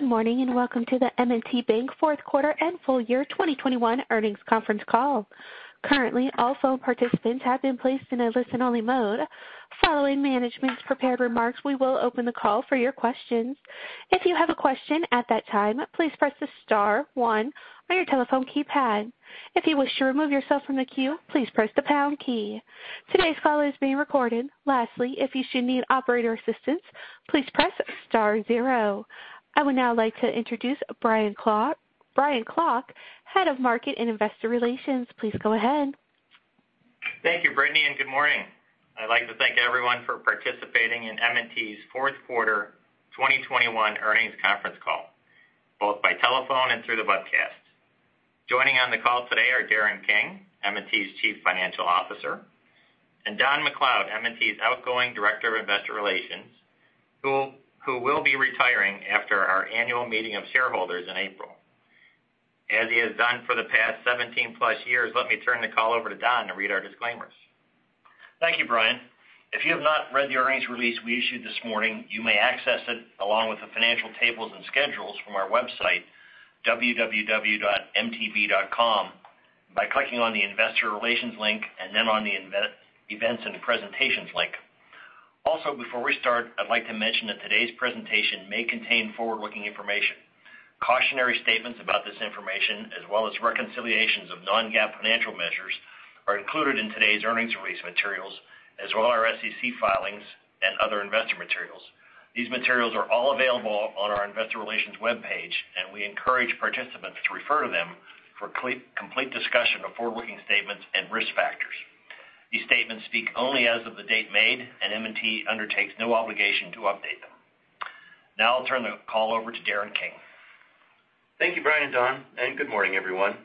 Good morning, and welcome to the M&T Bank fourth quarter and full year 2021 earnings conference call. Currently, all phone participants have been placed in a listen-only mode. Following management's prepared remarks, we will open the call for your questions. If you have a question at that time, please press the star one on your telephone keypad. If you wish to remove yourself from the queue, please press the pound key. Today's call is being recorded. Lastly, if you should need operator assistance, please press star zero. I would now like to introduce Brian Klock, Head of Markets and Investor Relations. Please go ahead. Thank you, Brittany, and good morning. I'd like to thank everyone for participating in M&T's fourth quarter 2021 earnings conference call, both by telephone and through the webcast. Joining on the call today are Darren King, M&T's Chief Financial Officer, and Don MacLeod, M&T's outgoing Director of Investor Relations, who will be retiring after our annual meeting of shareholders in April. As he has done for the past 17+ years, let me turn the call over to Don to read our disclaimers. Thank you, Brian. If you have not read the earnings release we issued this morning, you may access it along with the financial tables and schedules from our website, www.mtb.com, by clicking on the Investor Relations link and then on the investor events and presentations link. Also, before we start, I'd like to mention that today's presentation may contain forward-looking information. Cautionary statements about this information, as well as reconciliations of non-GAAP financial measures, are included in today's earnings release materials, as well as our SEC filings and other investor materials. These materials are all available on our investor relations webpage, and we encourage participants to refer to them for complete discussion of forward-looking statements and risk factors. These statements speak only as of the date made, and M&T undertakes no obligation to update them. Now I'll turn the call over to Darren King. Thank you, Brian and Don, and good morning, everyone.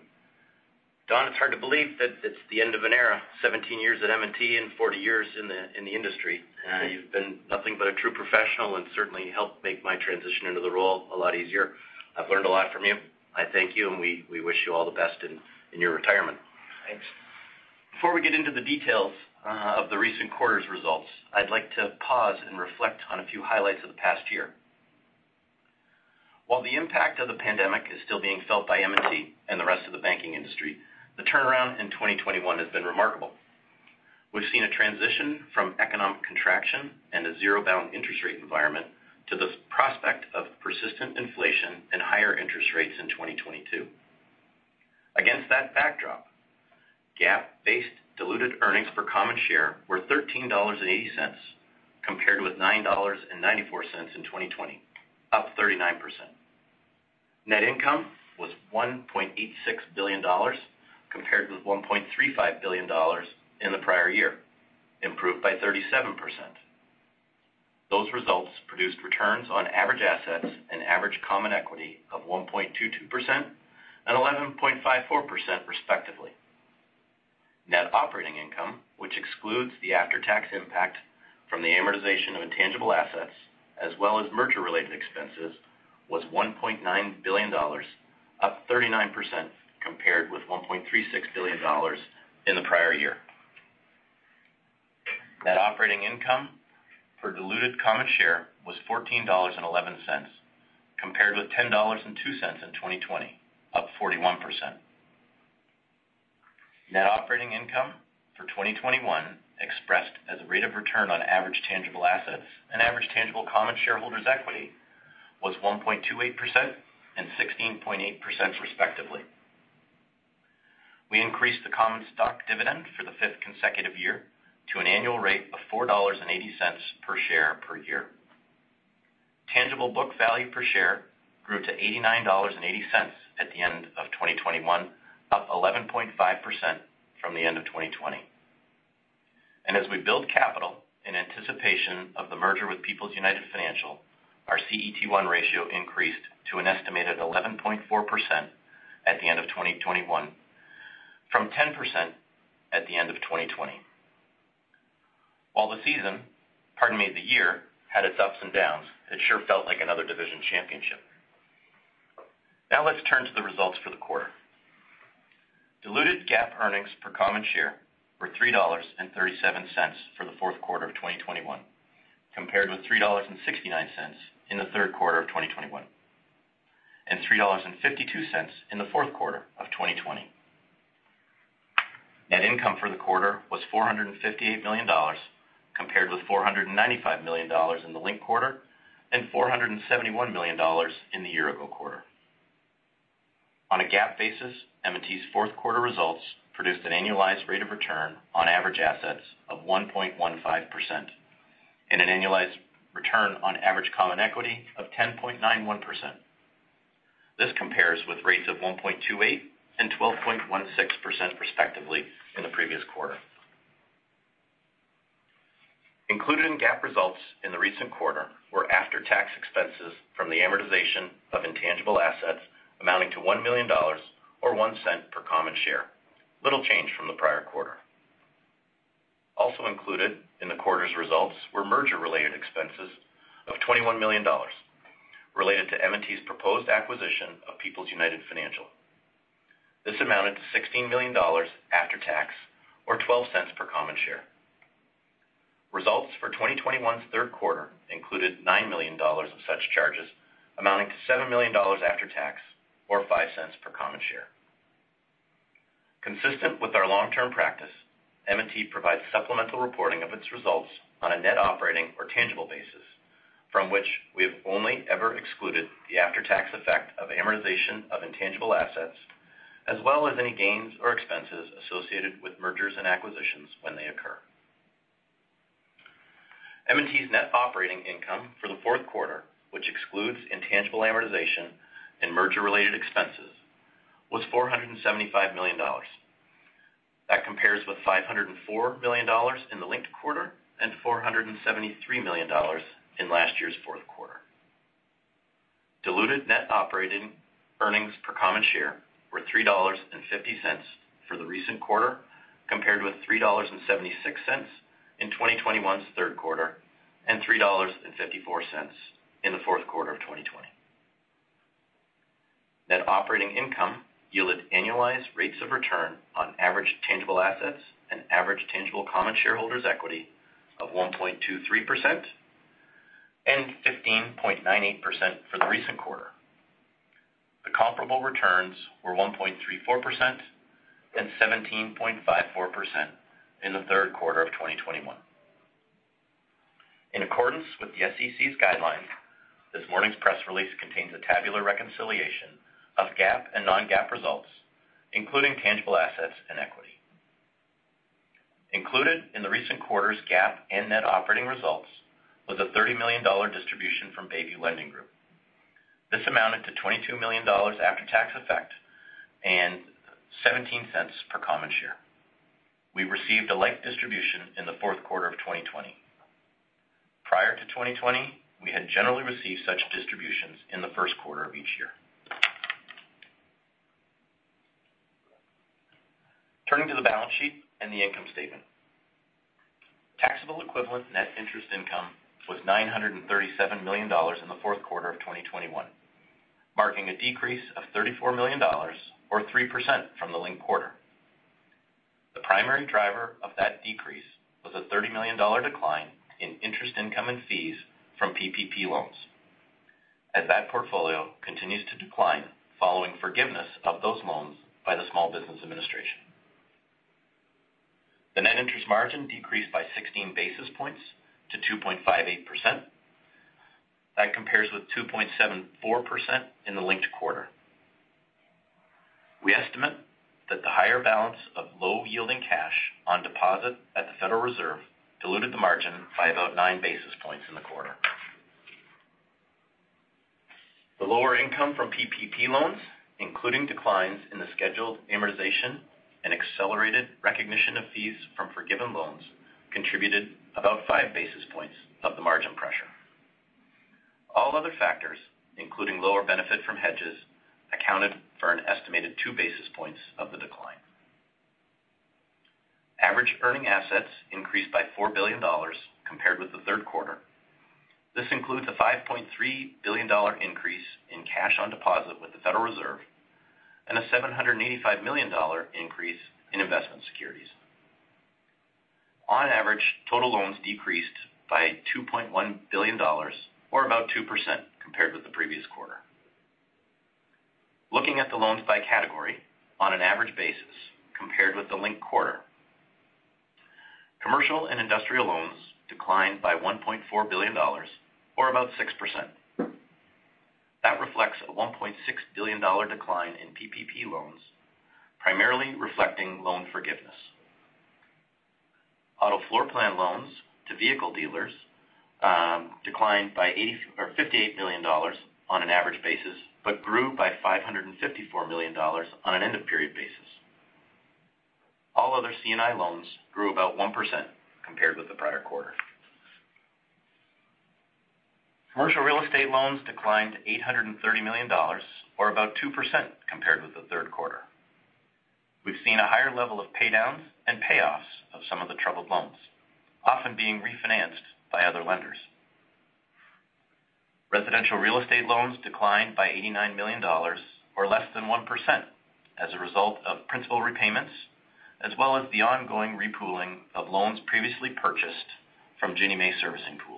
Don, it's hard to believe that it's the end of an era. 17 years at M&T and 40 years in the industry. You've been nothing but a true professional and certainly helped make my transition into the role a lot easier. I've learned a lot from you. I thank you, and we wish you all the best in your retirement. Thanks. Before we get into the details of the recent quarter's results, I'd like to pause and reflect on a few highlights of the past year. While the impact of the pandemic is still being felt by M&T and the rest of the banking industry, the turnaround in 2021 has been remarkable. We've seen a transition from economic contraction and a zero-bound interest rate environment to the prospect of persistent inflation and higher interest rates in 2022. Against that backdrop, GAAP-based diluted earnings per common share were $13.80, compared with $9.94 in 2020, up 39%. Net income was $1.86 billion, compared with $1.35 billion in the prior year, improved by 37%. Those results produced returns on average assets and average common equity of 1.22% and 11.54%, respectively. Net operating income, which excludes the after-tax impact from the amortization of intangible assets as well as merger-related expenses, was $1.9 billion, up 39%, compared with $1.36 billion in the prior year. Net operating income per diluted common share was $14.11, compared with $10.02 in 2020, up 41%. Net operating income for 2021 expressed as a rate of return on average tangible assets and average tangible common shareholders' equity was 1.28% and 16.8%, respectively. We increased the common stock dividend for the fifth consecutive year to an annual rate of $4.80 per share per year. Tangible book value per share grew to $89.80 at the end of 2021, up 11.5% from the end of 2020. As we build capital in anticipation of the merger with People's United Financial, our CET1 ratio increased to an estimated 11.4% at the end of 2021, from 10% at the end of 2020. While the year had its ups and downs, it sure felt like another division championship. Now let's turn to the results for the quarter. Diluted GAAP earnings per common share were $3.37 for the fourth quarter of 2021, compared with $3.69 in the third quarter of 2021, and $3.52 in the fourth quarter of 2020. Net income for the quarter was $458 million, compared with $495 million in the linked quarter and $471 million in the year-ago quarter. On a GAAP basis, M&T's fourth quarter results produced an annualized rate of return on average assets of 1.15% and an annualized return on average common equity of 10.91%. This compares with rates of 1.28% and 12.16%, respectively, in the previous quarter. Included in GAAP results in the recent quarter were after-tax expenses from the amortization of intangible assets amounting to $1 million or $0.01 per common share, little change from the prior quarter. Also included in the quarter's results were merger-related expenses of $21 million related to M&T's proposed acquisition of People's United Financial. This amounted to $16 million after tax or $0.12 per common share. Results for 2021's third quarter included $9 million of such charges, amounting to $7 million after tax or $0.05 per common share. Consistent with our long-term practice, M&T provides supplemental reporting of its results on a net operating or tangible basis from which we have only ever excluded the after-tax effect of amortization of intangible assets, as well as any gains or expenses associated with mergers and acquisitions when they occur. M&T's net operating income for the fourth quarter, which excludes intangible amortization and merger-related expenses, was $475 million. That compares with $504 million in the linked quarter and $473 million in last year's fourth quarter. Diluted net operating earnings per common share were $3.50 for the recent quarter, compared with $3.76 in 2021's third quarter and $3.54 in the fourth quarter of 2020. Net operating income yielded annualized rates of return on average tangible assets and average tangible common shareholders equity of 1.23% and 15.98% for the recent quarter. The comparable returns were 1.34% and 17.54% in the third quarter of 2021. In accordance with the SEC's guidelines, this morning's press release contains a tabular reconciliation of GAAP and non-GAAP results, including tangible assets and equity. Included in the recent quarter's GAAP and net operating results was a $30 million distribution from Bayview Lending Group. This amounted to $22 million after-tax effect and $0.17 per common share. We received a like distribution in the fourth quarter of 2020. Prior to 2020, we had generally received such distributions in the first quarter of each year. Turning to the balance sheet and the income statement. Taxable equivalent net interest income was $937 million in the fourth quarter of 2021, marking a decrease of $34 million or 3% from the linked quarter. The primary driver of that decrease was a $30 million dollar decline in interest income and fees from PPP loans as that portfolio continues to decline following forgiveness of those loans by the Small Business Administration. The net interest margin decreased by 16 basis points to 2.58%. That compares with 2.74% in the linked quarter. We estimate that the higher balance of low yielding cash on deposit at the Federal Reserve diluted the margin by about nine basis points in the quarter. The lower income from PPP loans, including declines in the scheduled amortization and accelerated recognition of fees from forgiven loans, contributed about five basis points of the margin pressure. All other factors, including lower benefit from hedges, accounted for an estimated two basis points of the decline. Average earning assets increased by $4 billion compared with the third quarter. This includes a $5.3 billion increase in cash on deposit with the Federal Reserve and a $785 million increase in investment securities. On average, total loans decreased by $2.1 billion or about 2% compared with the previous quarter. Looking at the loans by category on an average basis compared with the linked quarter, commercial and industrial loans declined by $1.4 billion or about 6%. That reflects a $1.6 billion decline in PPP loans, primarily reflecting loan forgiveness. Auto floor plan loans to vehicle dealers declined by $58 million on an average basis but grew by $554 million on an end of period basis. All other C&I loans grew about 1% compared with the prior quarter. Commercial real estate loans declined $830 million or about 2% compared with the third quarter. We've seen a higher level of paydowns and payoffs of some of the troubled loans, often being refinanced by other lenders. Residential real estate loans declined by $89 million or less than 1% as a result of principal repayments, as well as the ongoing repooling of loans previously purchased from Ginnie Mae servicing pools.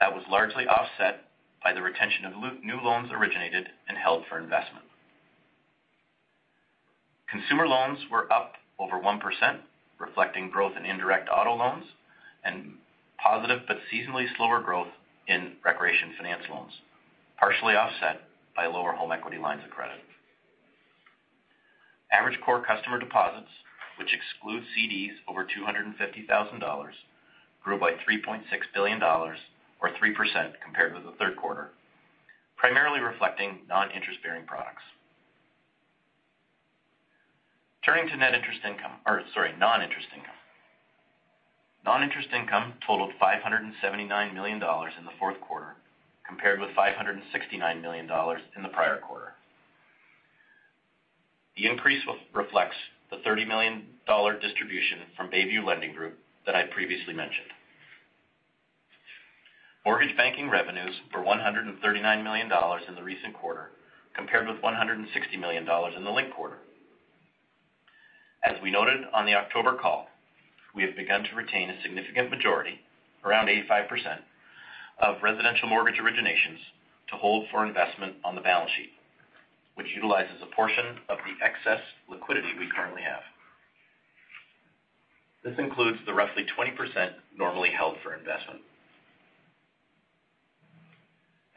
That was largely offset by the retention of new loans originated and held for investment. Consumer loans were up over 1%, reflecting growth in indirect auto loans and positive but seasonally slower growth in recreation finance loans, partially offset by lower home equity lines of credit. Average core customer deposits, which excludes CDs over $250,000, grew by $3.6 billion or 3% compared with the third quarter, primarily reflecting non-interest-bearing products. Turning to net interest income or, sorry, non-interest income. Non-interest income totaled $579 million in the fourth quarter compared with $569 million in the prior quarter. The increase reflects the $30 million distribution from Bayview Lending Group that I previously mentioned. Mortgage banking revenues for $139 million in the recent quarter compared with $160 million in the linked quarter. As we noted on the October call, we have begun to retain a significant majority, around 85%, of residential mortgage originations to hold for investment on the balance sheet, which utilizes a portion of the excess liquidity we currently have. This includes the roughly 20% normally held for investment.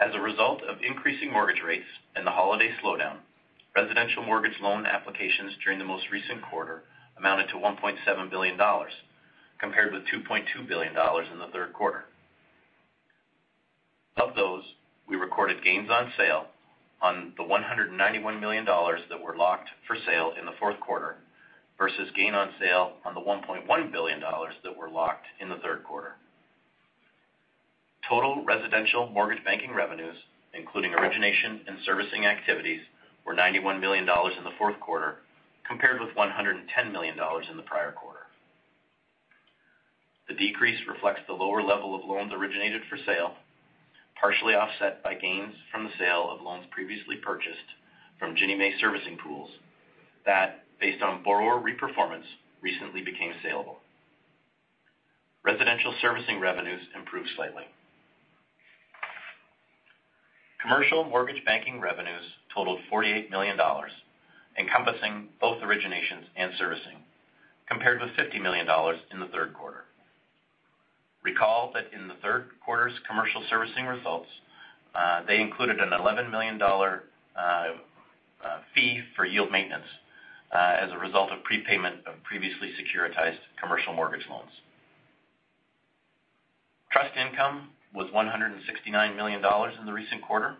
As a result of increasing mortgage rates and the holiday slowdown, residential mortgage loan applications during the most recent quarter amounted to $1.7 billion, compared with $2.2 billion in the third quarter. Of those, we recorded gains on sale on the $191 million that were locked for sale in the fourth quarter versus gain on sale on the $1.1 billion that were locked in the third quarter. Total residential mortgage banking revenues, including origination and servicing activities, were $91 million in the fourth quarter compared with $110 million in the prior quarter. The decrease reflects the lower level of loans originated for sale, partially offset by gains from the sale of loans previously purchased from Ginnie Mae servicing pools that, based on borrower reperformance, recently became saleable. Residential servicing revenues improved slightly. Commercial mortgage banking revenues totaled $48 million, encompassing both originations and servicing, compared with $50 million in the third quarter. Recall that in the third quarter's commercial servicing results, they included an $11 million fee for yield maintenance as a result of prepayment of previously securitized commercial mortgage loans. Trust income was $169 million in the recent quarter,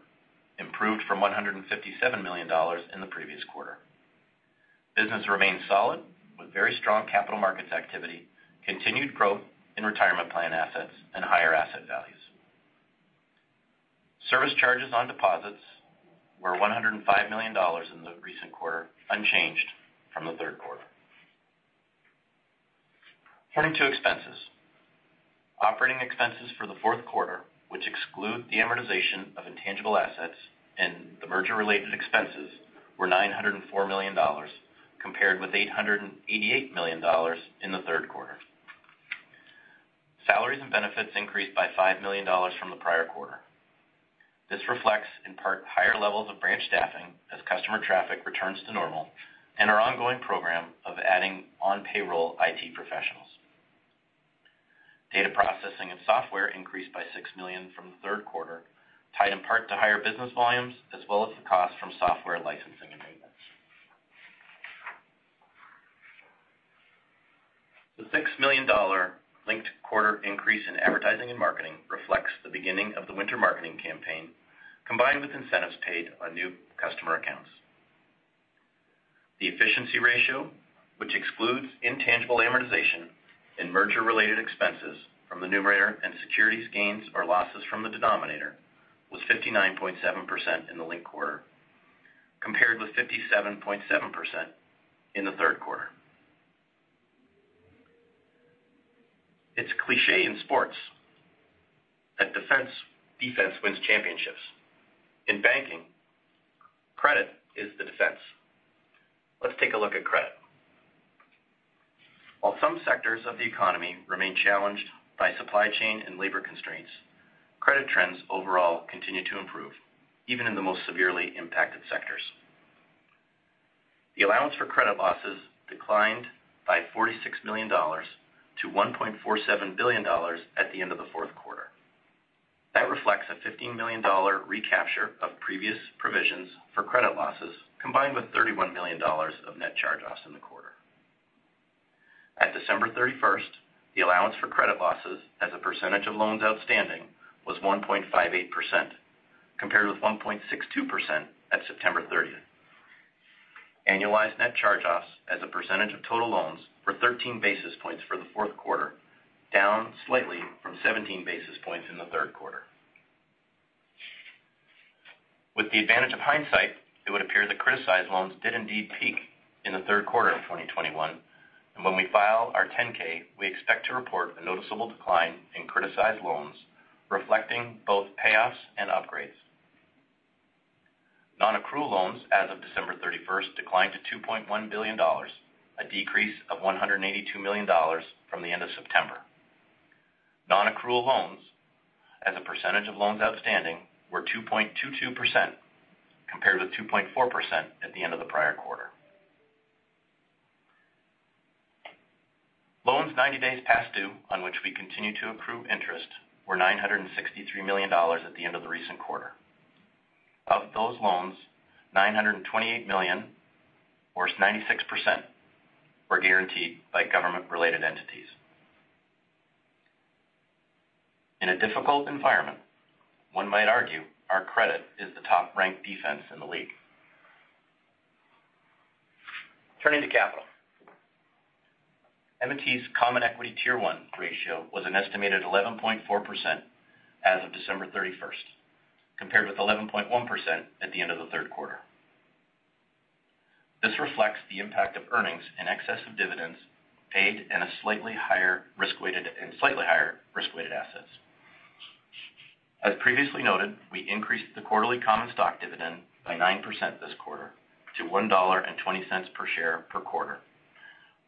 improved from $157 million in the previous quarter. Business remains solid with very strong capital markets activity, continued growth in retirement plan assets and higher asset values. Service charges on deposits were $105 million in the recent quarter, unchanged from the third quarter. Turning to expenses. Operating expenses for the fourth quarter, which exclude the amortization of intangible assets and the merger-related expenses, were $904 million, compared with $888 million in the third quarter. Salaries and benefits increased by $5 million from the prior quarter. This reflects, in part, higher levels of branch staffing as customer traffic returns to normal and our ongoing program of adding on-payroll IT professionals. Data processing and software increased by $6 million from the third quarter, tied in part to higher business volumes as well as the cost from software licensing and maintenance. The $6 million linked quarter increase in advertising and marketing reflects the beginning of the winter marketing campaign, combined with incentives paid on new customer accounts. The efficiency ratio, which excludes intangible amortization and merger-related expenses from the numerator and securities gains or losses from the denominator, was 59.7% in the linked quarter, compared with 57.7% in the third quarter. It's cliché in sports that defense wins championships. In banking, credit is the defense. Let's take a look at credit. While some sectors of the economy remain challenged by supply chain and labor constraints, credit trends overall continue to improve, even in the most severely impacted sectors. The allowance for credit losses declined by $46 million to $1.47 billion at the end of the fourth quarter. That reflects a $15 million recapture of previous provisions for credit losses, combined with $31 million of net charge-offs in the quarter. At December 31st, the allowance for credit losses as a percentage of loans outstanding was 1.58%, compared with 1.62% at September 30. Annualized net charge-offs as a percentage of total loans were 13 basis points for the fourth quarter, down slightly from 17 basis points in the third quarter. With the advantage of hindsight, it would appear the criticized loans did indeed peak in the third quarter of 2021. When we file our 10-K, we expect to report a noticeable decline in criticized loans reflecting both payoffs and upgrades. Nonaccrual loans as of December 31 declined to $2.1 billion, a decrease of $182 million from the end of September. Nonaccrual loans as a percentage of loans outstanding were 2.22% compared with 2.4% at the end of the prior quarter. Loans 90 days past due on which we continue to accrue interest were $963 million at the end of the recent quarter. Of those loans, $928 million, or 96%, were guaranteed by government-related entities. In a difficult environment, one might argue our credit is the top-ranked defense in the league. Turning to capital. M&T's common equity Tier One ratio was an estimated 11.4% as of December 31st, compared with 11.1% at the end of the third quarter. This reflects the impact of earnings in excess of dividends paid and slightly higher risk-weighted assets. As previously noted, we increased the quarterly common stock dividend by 9% this quarter to $1.20 per share per quarter,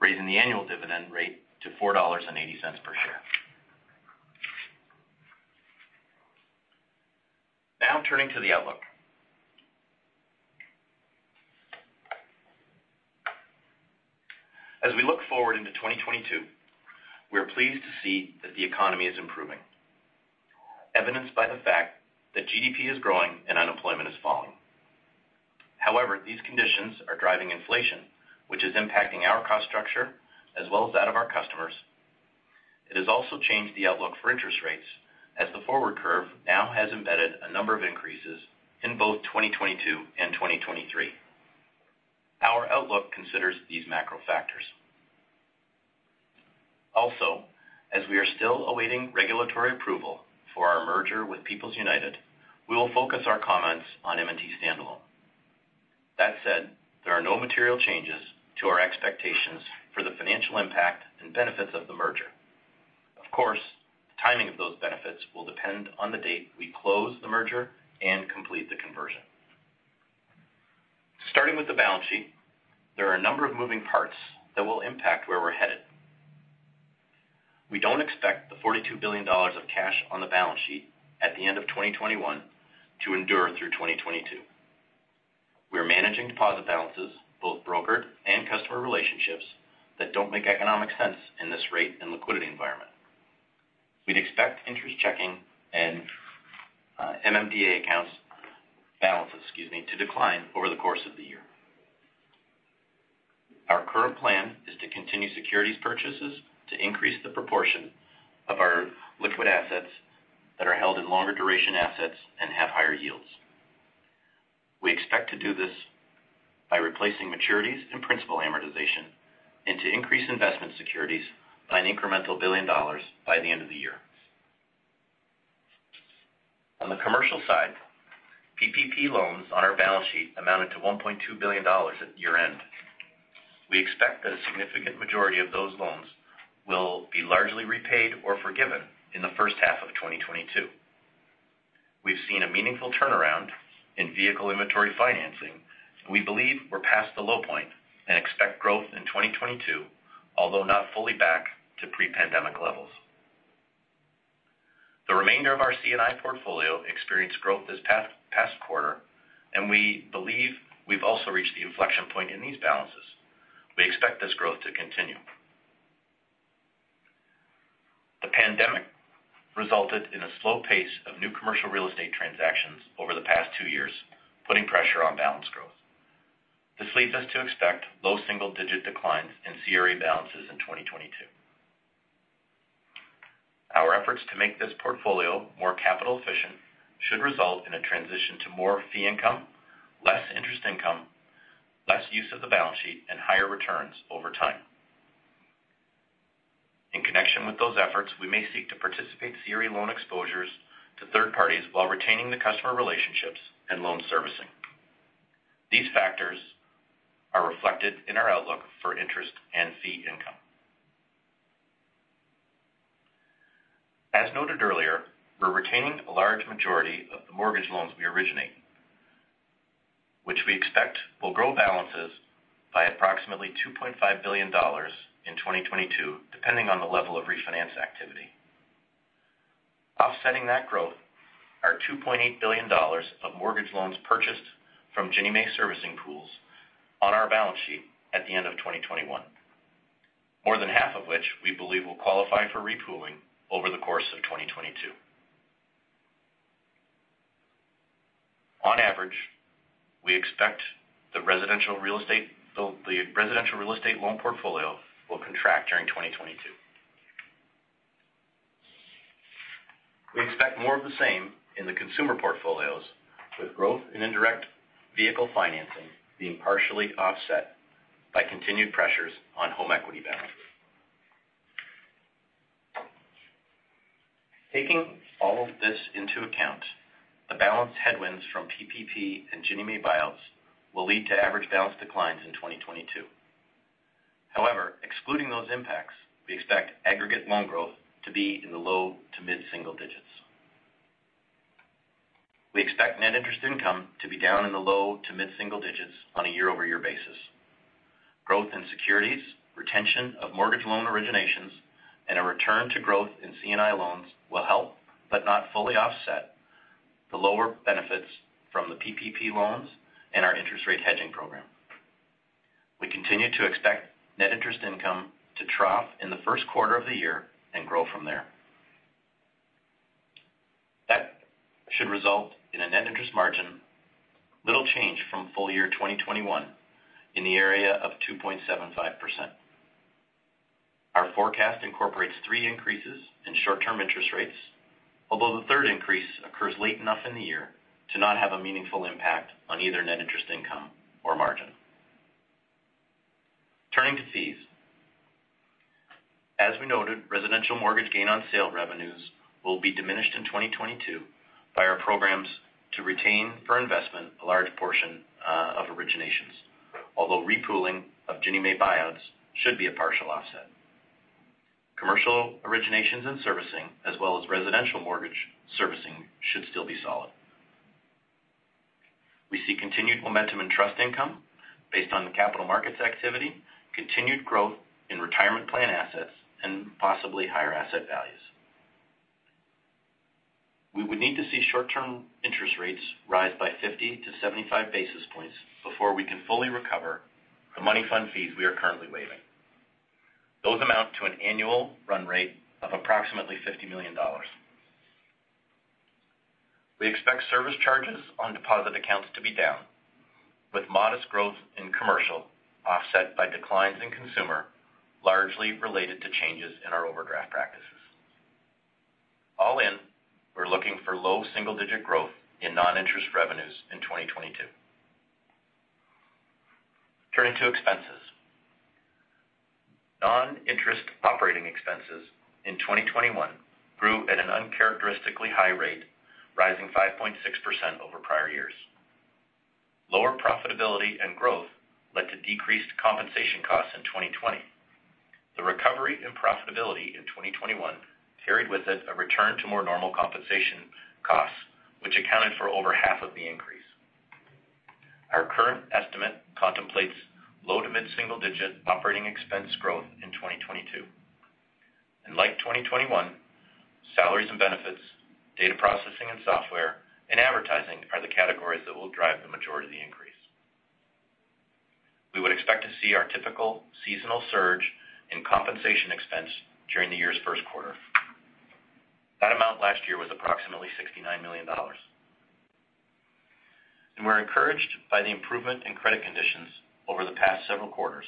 raising the annual dividend rate to $4.80 per share. Now turning to the outlook. As we look forward into 2022, we are pleased to see that the economy is improving, evidenced by the fact that GDP is growing and unemployment is falling. However, these conditions are driving inflation, which is impacting our cost structure as well as that of our customers. It has also changed the outlook for interest rates as the forward curve now has embedded a number of increases in both 2022 and 2023. Our outlook considers these macro factors. Also, as we are still awaiting regulatory approval for our merger with People's United, we will focus our comments on M&T standalone. That said, there are no material changes to our expectations for the financial impact and benefits of the merger. Of course, the timing of those benefits will depend on the date we close the merger and complete the conversion. Starting with the balance sheet, there are a number of moving parts that will impact where we're headed. We don't expect the $42 billion of cash on the balance sheet at the end of 2021 to endure through 2022. We're managing deposit balances, both brokered and customer relationships that don't make economic sense in this rate and liquidity environment. We'd expect interest checking and MMDA accounts balances to decline over the course of the year. Our current plan is to continue securities purchases to increase the proportion of our liquid assets that are held in longer duration assets and have higher yields. We expect to do this by replacing maturities and principal amortization into increased investment securities by an incremental $1 billion by the end of the year. On the commercial side, PPP loans on our balance sheet amounted to $1.2 billion at year-end. We expect that a significant majority of those loans will be largely repaid or forgiven in the first half of 2022. We've seen a meaningful turnaround in vehicle inventory financing. We believe we're past the low point and expect growth in 2022, although not fully back to pre-pandemic levels. The remainder of our C&I portfolio experienced growth this past quarter, and we believe we've also reached the inflection point in these balances. We expect this growth to continue. The pandemic resulted in a slow pace of new commercial real estate transactions over the past two years, putting pressure on balance growth. This leads us to expect low single-digit declines in CRE balances in 2022. Our efforts to make this portfolio more capital efficient should result in a transition to more fee income, less interest income, less use of the balance sheet, and higher returns over time. In connection with those efforts, we may seek to participate CRE loan exposures to third parties while retaining the customer relationships and loan servicing. These factors are reflected in our outlook for interest and fee income. As noted earlier, we're retaining a large majority of the mortgage loans we originate, which we expect will grow balances by approximately $2.5 billion in 2022, depending on the level of refinance activity. Offsetting that growth are $2.8 billion of mortgage loans purchased from Ginnie Mae servicing pools on our balance sheet at the end of 2021. More than half of which we believe will qualify for re-pooling over the course of 2022. On average, we expect the residential real estate loan portfolio will contract during 2022. We expect more of the same in the consumer portfolios, with growth in indirect vehicle financing being partially offset by continued pressures on home equity balances. Taking all of this into account, the balance headwinds from PPP and Ginnie Mae buyouts will lead to average balance declines in 2022. However, excluding those impacts, we expect aggregate loan growth to be in the low- to mid-single digits. We expect net interest income to be down in the low- to mid-single digits on a year-over-year basis. Growth in securities, retention of mortgage loan originations, and a return to growth in C&I loans will help but not fully offset the lower benefits from the PPP loans and our interest rate hedging program. We continue to expect net interest income to trough in the first quarter of the year and grow from there. That should result in a net interest margin little change from full year 2021 in the area of 2.75%. Our forecast incorporates three increases in short-term interest rates, although the third increase occurs late enough in the year to not have a meaningful impact on either net interest income or margin. Turning to fees. As we noted, residential mortgage gain on sale revenues will be diminished in 2022 by our programs to retain for investment a large portion of originations. Although re-pooling of Ginnie Mae buyouts should be a partial offset. Commercial originations and servicing as well as residential mortgage servicing should still be solid. We see continued momentum in trust income based on the capital markets activity, continued growth in retirement plan assets, and possibly higher asset values. We would need to see short-term interest rates rise by 50-75 basis points before we can fully recover the money fund fees we are currently waiving. Those amount to an annual run rate of approximately $50 million. We expect service charges on deposit accounts to be down, with modest growth in commercial offset by declines in consumer, largely related to changes in our overdraft practices. All in, we're looking for low single-digit growth in non-interest revenues in 2022. Turning to expenses. Non-interest operating expenses in 2021 grew at an uncharacteristically high rate, rising 5.6% over prior years. Lower profitability and growth led to decreased compensation costs in 2020. The recovery in profitability in 2021 carried with it a return to more normal compensation costs, which accounted for over half of the increase. Our current estimate contemplates low- to mid-single-digit% operating expense growth in 2022. Like 2021, salaries and benefits, data processing and software, and advertising are the categories that will drive the majority of the increase. We would expect to see our typical seasonal surge in compensation expense during the year's first quarter. That amount last year was approximately $69 million. We're encouraged by the improvement in credit conditions over the past several quarters.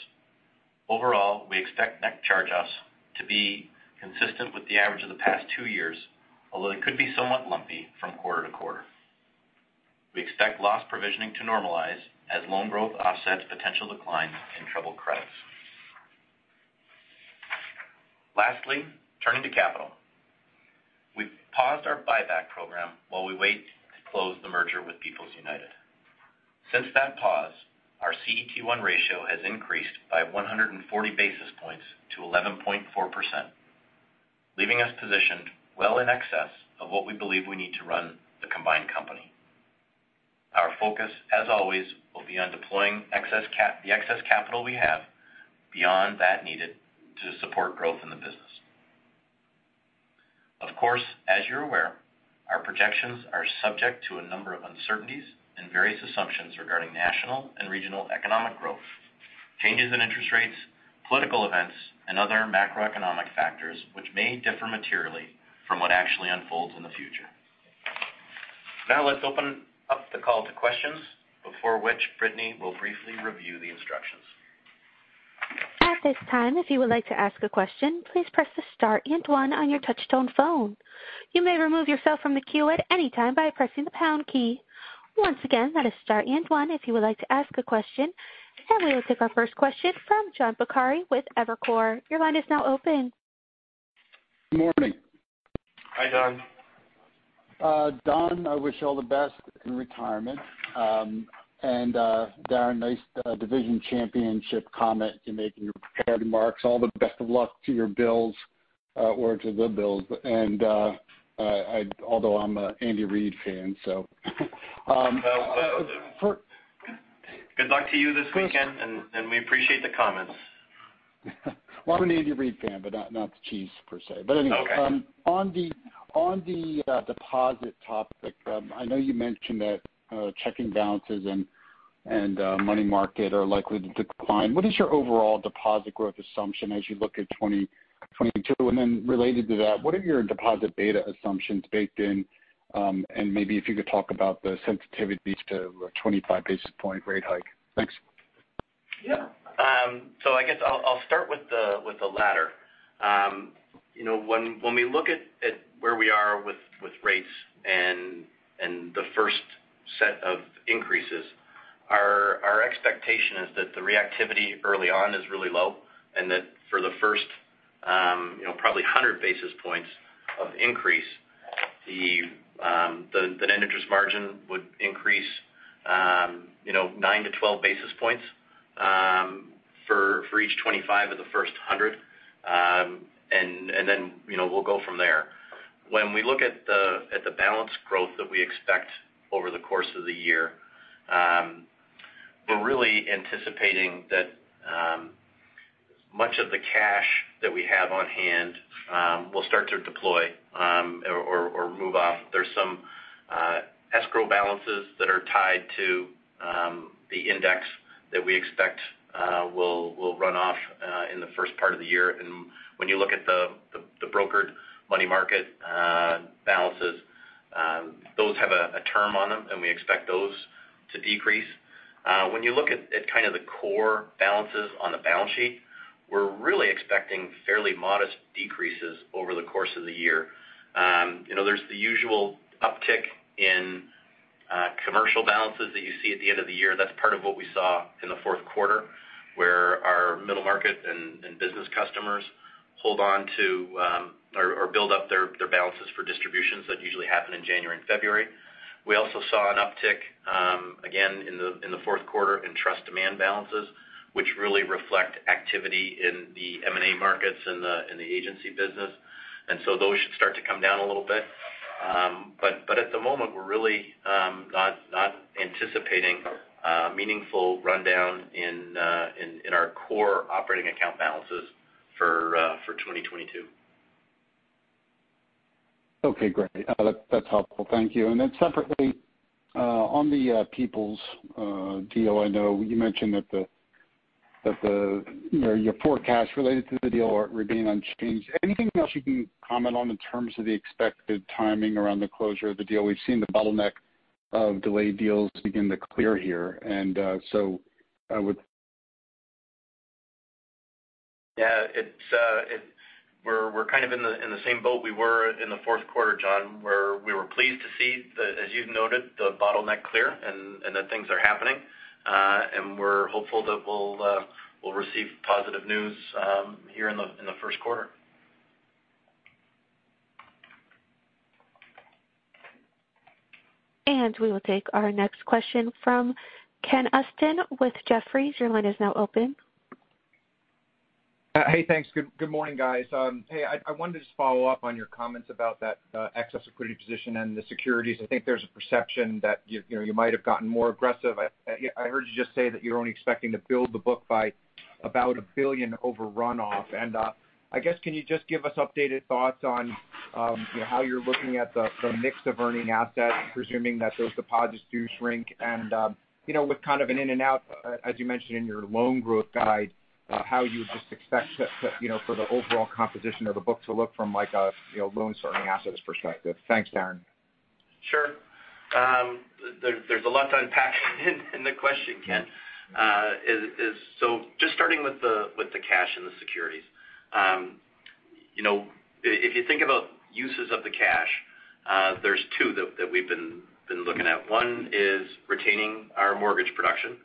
Overall, we expect net charge-offs to be consistent with the average of the past two years, although it could be somewhat lumpy from quarter to quarter. We expect loss provisioning to normalize as loan growth offsets potential declines in troubled credits. Lastly, turning to capital. We've paused our buyback program while we wait to close the merger with People's United. Since that pause, our CET1 ratio has increased by 140 basis points to 11.4%, leaving us positioned well in excess of what we believe we need to run the combined company. Our focus, as always, will be on deploying the excess capital we have beyond that needed to support growth in the business. Of course, as you're aware, our projections are subject to a number of uncertainties and various assumptions regarding national and regional economic growth, changes in interest rates, political events, and other macroeconomic factors which may differ materially from what actually unfolds in the future. Now let's open up the call to questions, before which Brittany will briefly review the instructions. At this time, if you would like to ask a question, please press the star and one on your touchtone phone. You may remove yourself from the queue at any time by pressing the pound key. Once again, that is star and one if you would like to ask a question, and we will take our first question from John Pancari with Evercore ISI. Your line is now open. Good morning. Hi, John. Don, I wish you all the best in retirement. Darren, nice division championship comment you make in your prepared remarks. All the best of luck to your Bills, or to the Bills. Although I'm an Andy Reid fan, so, for- Good luck to you this weekend, and we appreciate the comments. Well, I'm an Andy Reid fan, but not the Chiefs per se. Anyway. Okay. On the deposit topic, I know you mentioned that checking balances and money market are likely to decline. What is your overall deposit growth assumption as you look at 2022? Related to that, what are your deposit beta assumptions baked in? Maybe if you could talk about the sensitivities to a 25 basis point rate hike. Thanks. Yeah. So I guess I'll start with the latter. You know, when we look at where we are with rates and the first set of increases, our expectation is that the reactivity early on is really low, and that for the first, you know, probably 100 basis points of increase, the net interest margin would increase, you know, 9-12 basis points, for each 25 of the first 100. And then, you know, we'll go from there. When we look at the balance growth that we expect over the course of the year, we're really anticipating that much of the cash that we have on hand will start to deploy, or move off. There's some escrow balances that are tied to the index that we expect will run off in the first part of the year. When you look at the brokered money market balances, those have a term on them, and we expect those to decrease. When you look at kind of the core balances on the balance sheet, we're really expecting fairly modest decreases over the course of the year. You know, there's the usual uptick in commercial balances that you see at the end of the year, that's part of what we saw in the fourth quarter, where our middle market and business customers hold on to or build up their balances for distributions that usually happen in January and February. We also saw an uptick again in the fourth quarter in trust demand balances, which really reflect activity in the M&A markets in the agency business. Those should start to come down a little bit. At the moment, we're really not anticipating meaningful rundown in our core operating account balances for 2022. Okay, great. That's helpful. Thank you. Then separately, on the People's deal, I know you mentioned that the, you know, your forecast related to the deal are remaining unchanged. Anything else you can comment on in terms of the expected timing around the closure of the deal? We've seen the bottleneck of delayed deals begin to clear here. So I would- Yeah, we're kind of in the same boat we were in the fourth quarter, John, where we were pleased to see, as you've noted, the bottleneck clear and that things are happening. We're hopeful that we'll receive positive news here in the first quarter. We will take our next question from Ken Usdin with Jefferies. Your line is now open. Hey, thanks. Good morning, guys. I wanted to just follow up on your comments about that excess liquidity position and the securities. I think there's a perception that you know, you might have gotten more aggressive. I heard you just say that you're only expecting to build the book by about $1 billion over runoff. I guess, can you just give us updated thoughts on you know, how you're looking at the mix of earning assets, presuming that those deposits do shrink and you know, with kind of an in and out, as you mentioned in your loan growth guide, how you just expect to you know, for the overall composition of the book to look from like a you know, loan serving assets perspective. Thanks, Darren. Sure. There's a lot to unpack in the question, Ken. So just starting with the cash and the securities. You know, if you think about uses of the cash, there's two that we've been looking at. One is retaining our mortgage production,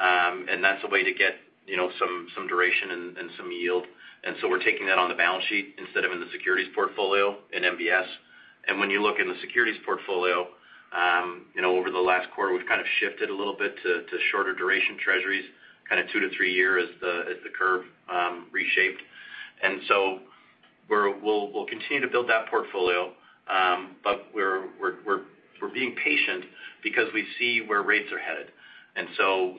and that's a way to get you know, some duration and some yield. We're taking that on the balance sheet instead of in the securities portfolio in MBS. When you look in the securities portfolio, you know, over the last quarter, we've kind of shifted a little bit to shorter duration Treasuries, kind of two to three year as the curve reshaped. We'll continue to build that portfolio. We're being patient because we see where rates are headed.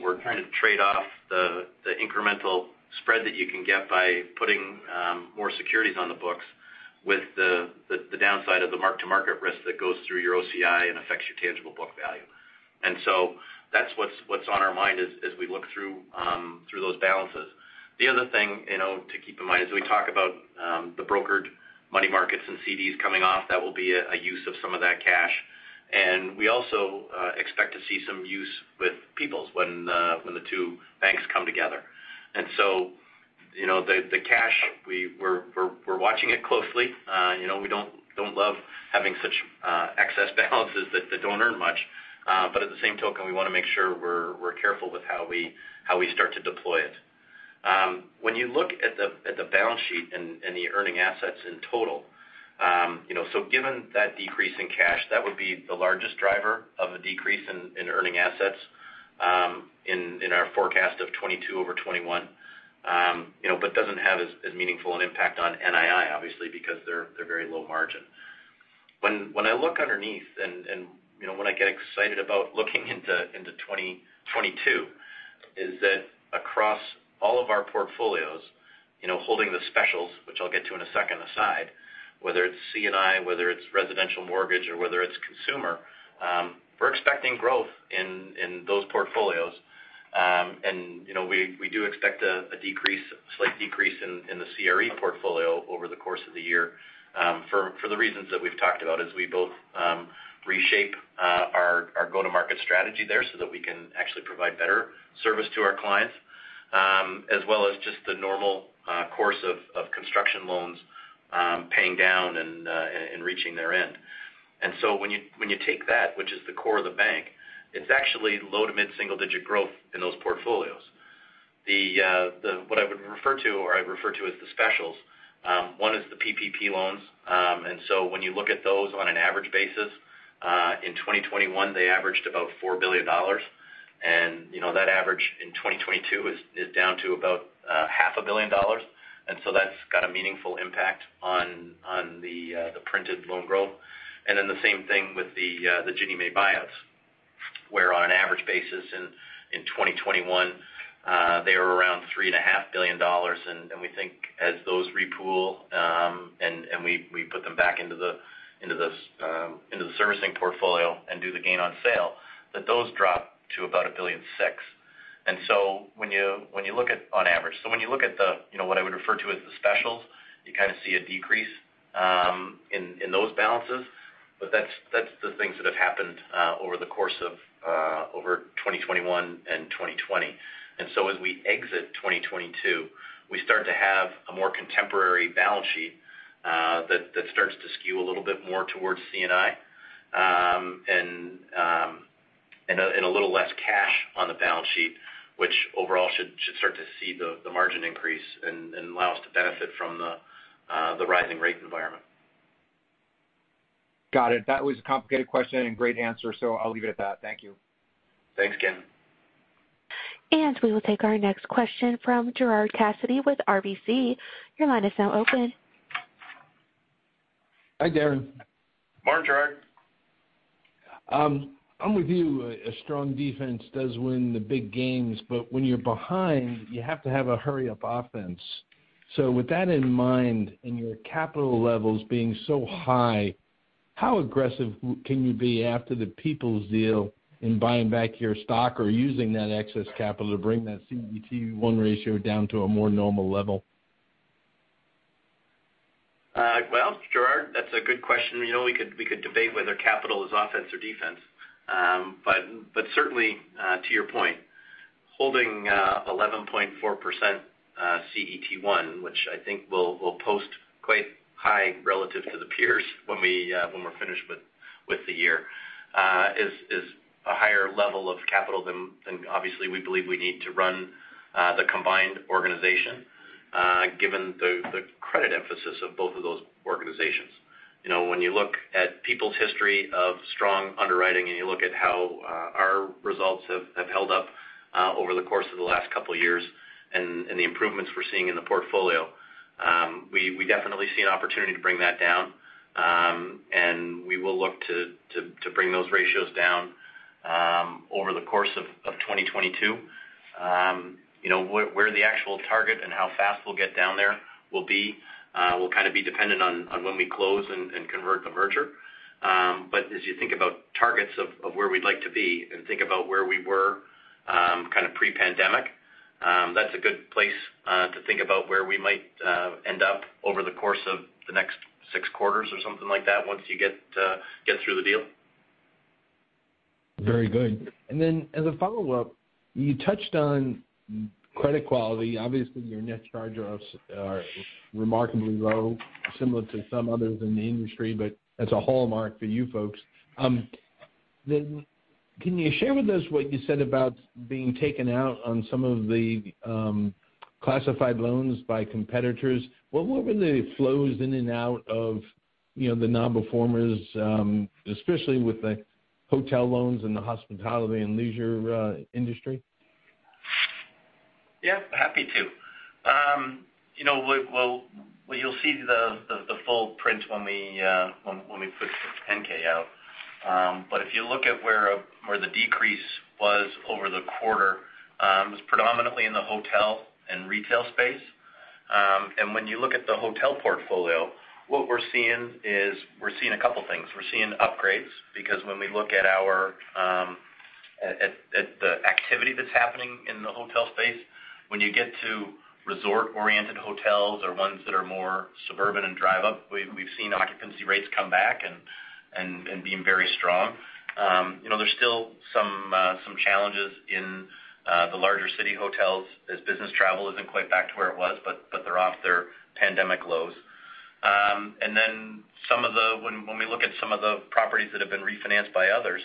We're trying to trade off the incremental spread that you can get by putting more securities on the books with the downside of the mark-to-market risk that goes through your OCI and affects your tangible book value. That's what's on our mind as we look through those balances. The other thing, you know, to keep in mind, as we talk about the brokered money markets and CDs coming off, that will be a use of some of that cash. We also expect to see some use with Peoples when the two banks come together. You know, the cash, we're watching it closely. You know, we don't love having such excess balances that don't earn much. By the same token, we want to make sure we're careful with how we start to deploy it. When you look at the balance sheet and the earning assets in total, you know, given that decrease in cash, that would be the largest driver of a decrease in earning assets, in our forecast of 2022 over 2021. You know, but doesn't have as meaningful an impact on NII obviously because they're very low margin. When I look underneath and you know when I get excited about looking into 2022, is that across all of our portfolios, you know, holding the specials, which I'll get to in a second aside, whether it's C&I, whether it's residential mortgage or whether it's consumer, we're expecting growth in those portfolios. We do expect a slight decrease in the CRE portfolio over the course of the year for the reasons that we've talked about as we both reshape our go-to-market strategy there so that we can actually provide better service to our clients as well as just the normal course of construction loans paying down and reaching their end. When you take that, which is the core of the bank, it's actually low to mid-single digit growth in those portfolios. What I would refer to or I refer to as the specials, one is the PPP loans. When you look at those on an average basis, in 2021, they averaged about $4 billion. That average in 2022 is down to about half a billion dollars. That's got a meaningful impact on the printed loan growth. The same thing with the Ginnie Mae buyouts, where on an average basis in 2021, they were around $3.5 billion. We think as those repool, and we put them back into the servicing portfolio and do the gain on sale, that those drop to about $1.6 billion. When you look at on average, when you look at the, you know, what I would refer to as the specials, you kind of see a decrease in those balances. But that's the things that have happened over the course of 2021 and 2020. As we exit 2022, we start to have a more contemporary balance sheet that starts to skew a little bit more towards C&I, and a little less cash on the balance sheet, which overall should start to see the margin increase and allow us to benefit from the rising rate environment. Got it. That was a complicated question and great answer, so I'll leave it at that. Thank you. Thanks, Ken. We will take our next question from Gerard Cassidy with RBC. Your line is now open. Hi, Darren. Morning, Gerard. I'm with you. A strong defense does win the big games, but when you're behind, you have to have a hurry up offense. With that in mind, and your capital levels being so high, how aggressive can you be after the People's deal in buying back your stock or using that excess capital to bring that CET1 ratio down to a more normal level? Well, Gerard, that's a good question. You know, we could debate whether capital is offense or defense. Certainly, to your point, holding 11.4% CET1, which I think will post quite high relative to the peers when we're finished with the year, is a higher level of capital than obviously we believe we need to run the combined organization, given the credit emphasis of both of those organizations. You know, when you look at People's history of strong underwriting and you look at how our results have held up over the course of the last couple years and the improvements we're seeing in the portfolio, we definitely see an opportunity to bring that down. We will look to bring those ratios down over the course of 2022. You know, where the actual target and how fast we'll get down there will kind of be dependent on when we close and convert the merger. As you think about targets of where we'd like to be and think about where we were kind of pre-pandemic, that's a good place to think about where we might end up over the course of the next 6 quarters or something like that once you get through the deal. Very good. As a follow-up, you touched on M&T credit quality. Obviously, your net charge-offs are remarkably low, similar to some others in the industry, but that's a hallmark for you folks. Can you share with us what you said about being taken out on some of the classified loans by competitors? What were the flows in and out of, you know, the non-performers, especially with the hotel loans and the hospitality and leisure industry? Yeah, happy to. You know, well, you'll see the full print when we put the 10-K out. If you look at where the decrease was over the quarter, it was predominantly in the hotel and retail space. When you look at the hotel portfolio, what we're seeing is we're seeing a couple things. We're seeing upgrades because when we look at the activity that's happening in the hotel space, when you get to resort-oriented hotels or ones that are more suburban and drive up, we've seen occupancy rates come back and being very strong. You know, there's still some challenges in the larger city hotels as business travel isn't quite back to where it was, but they're off their pandemic lows. When we look at some of the properties that have been refinanced by others,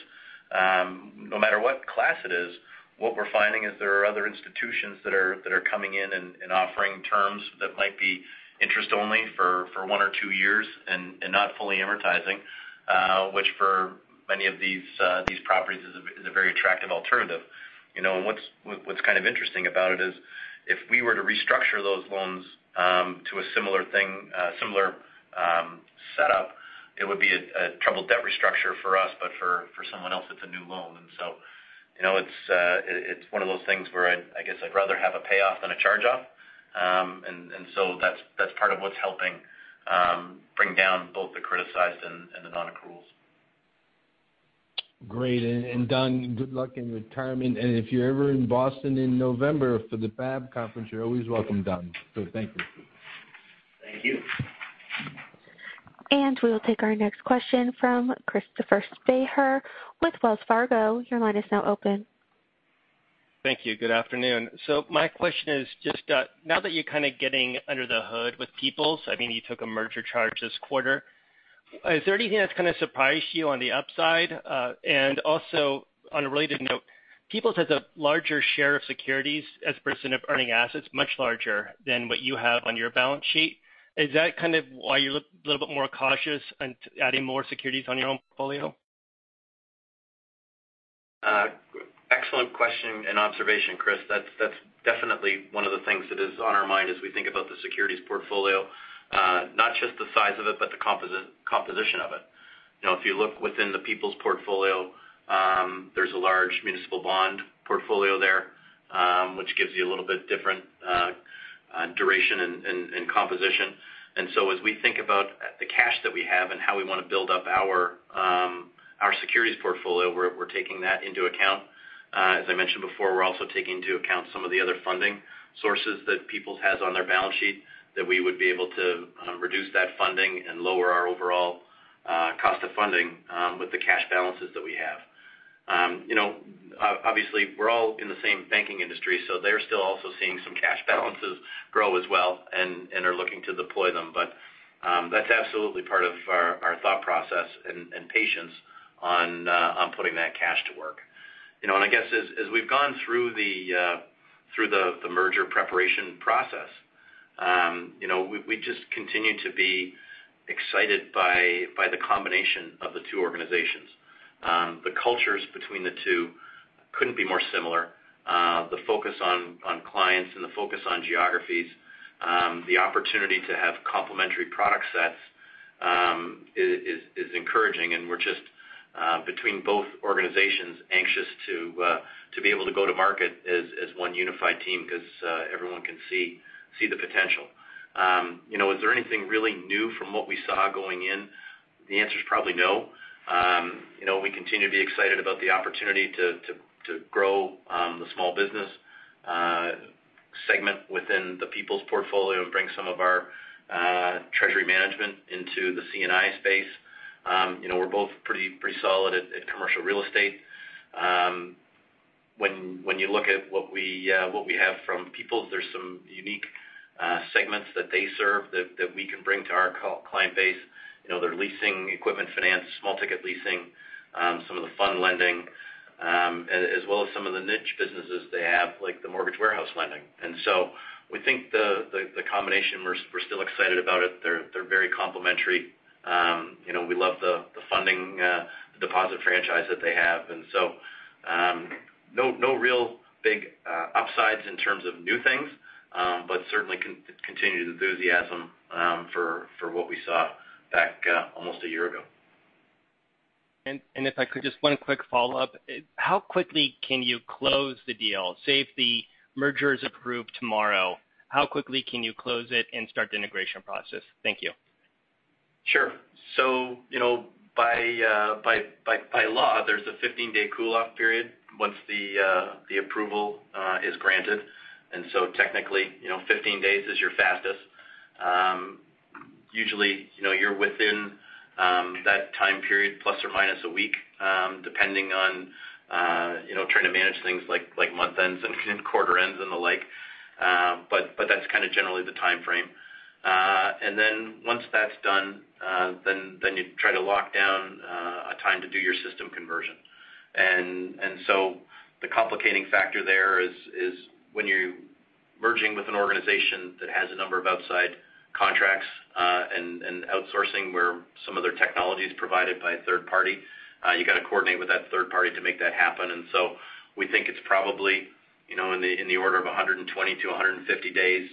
no matter what class it is, what we're finding is there are other institutions that are coming in and offering terms that might be interest only for one or two years and not fully amortizing, which for many of these properties is a very attractive alternative. You know, what's kind of interesting about it is if we were to restructure those loans to a similar setup, it would be a troubled debt restructure for us, but for someone else it's a new loan. You know, it's one of those things where I guess I'd rather have a payoff than a charge-off. That's part of what's helping bring down both the criticized and the non-accruals. Great. Don, good luck in retirement. If you're ever in Boston in November for the BAB conference, you're always welcome, Don. Thank you. Thank you. We will take our next question from Christopher Spahr with Wells Fargo. Your line is now open. Thank you. Good afternoon. My question is just, now that you're kind of getting under the hood with People's, I mean, you took a merger charge this quarter. Is there anything that's kind of surprised you on the upside? And also on a related note, People's has a larger share of securities as a portion of earning assets much larger than what you have on your balance sheet. Is that kind of why you look a little bit more cautious and adding more securities on your own portfolio? Excellent question and observation, Chris. That's definitely one of the things that is on our mind as we think about the securities portfolio. Not just the size of it, but the composition of it. You know, if you look within the People's portfolio, there's a large municipal bond portfolio there, which gives you a little bit different duration and composition. As we think about the cash that we have and how we want to build up our securities portfolio, we're taking that into account. I mentioned before, we're also taking into account some of the other funding sources that People's has on their balance sheet that we would be able to reduce that funding and lower our overall cost of funding with the cash balances that we have. You know, obviously, we're all in the same banking industry, so they're still also seeing some cash balances grow as well and are looking to deploy them. That's absolutely part of our thought process and patience on putting that cash to work. You know, I guess as we've gone through the merger preparation process, you know, we just continue to be excited by the combination of the two organizations. The cultures between the two couldn't be more similar. The focus on clients and the focus on geographies, the opportunity to have complementary product sets, is encouraging. We're just between both organizations, anxious to be able to go to market as one unified team because everyone can see the potential. You know, is there anything really new from what we saw going in? The answer is probably no. You know, we continue to be excited about the opportunity to grow the small business segment within the People's portfolio and bring some of our treasury management into the C&I space. We're both pretty solid at commercial real estate. When you look at what we have from People's, there's some unique segments that they serve that we can bring to our client base. You know, their leasing equipment, finance, small ticket leasing, some of the fund lending, as well as some of the niche businesses they have, like the mortgage warehouse lending. We think the combination. We're still excited about it. They're very complementary. You know, we love the funding deposit franchise that they have. No real big upsides in terms of new things, but certainly continued enthusiasm for what we saw back almost a year ago. If I could just one quick follow-up. How quickly can you close the deal? Say if the merger is approved tomorrow, how quickly can you close it and start the integration process? Thank you. Sure. You know, by law, there's a 15-day cool-off period once the approval is granted. Technically, you know, 15 days is your fastest. Usually, you know, you're within that time period plus or minus a week, depending on you know, trying to manage things like month ends and quarter ends and the like. That's kind of generally the timeframe. Once that's done, you try to lock down a time to do your system conversion. The complicating factor there is when you're merging with an organization that has a number of outside contracts and outsourcing where some of their technology is provided by a third party, you got to coordinate with that third party to make that happen. We think it's probably, you know, in the order of 120-150 days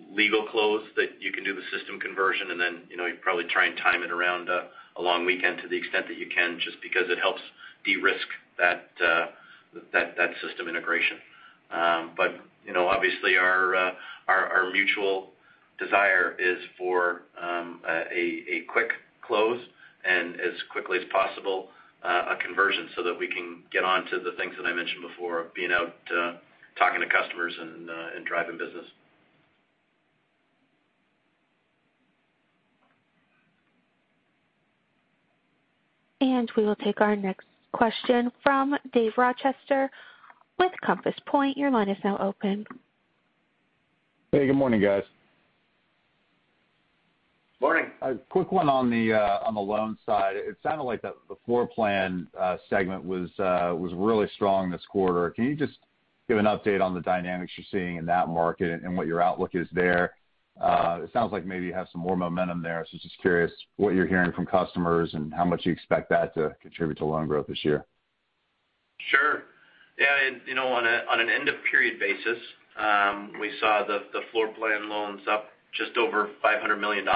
post-legal close that you can do the system conversion. You know, you probably try and time it around a long weekend to the extent that you can, just because it helps de-risk that system integration. You know, obviously our mutual desire is for a quick close and as quickly as possible a conversion so that we can get on to the things that I mentioned before of being out talking to customers and driving business. We will take our next question from Dave Rochester with Compass Point. Your line is now open. Hey, good morning, guys. Morning. A quick one on the loan side. It sounded like the floor plan segment was really strong this quarter. Can you just give an update on the dynamics you're seeing in that market and what your outlook is there? It sounds like maybe you have some more momentum there. Just curious what you're hearing from customers and how much you expect that to contribute to loan growth this year? Sure. Yeah. You know, on an end-of-period basis, we saw the floor plan loans up just over $500 million,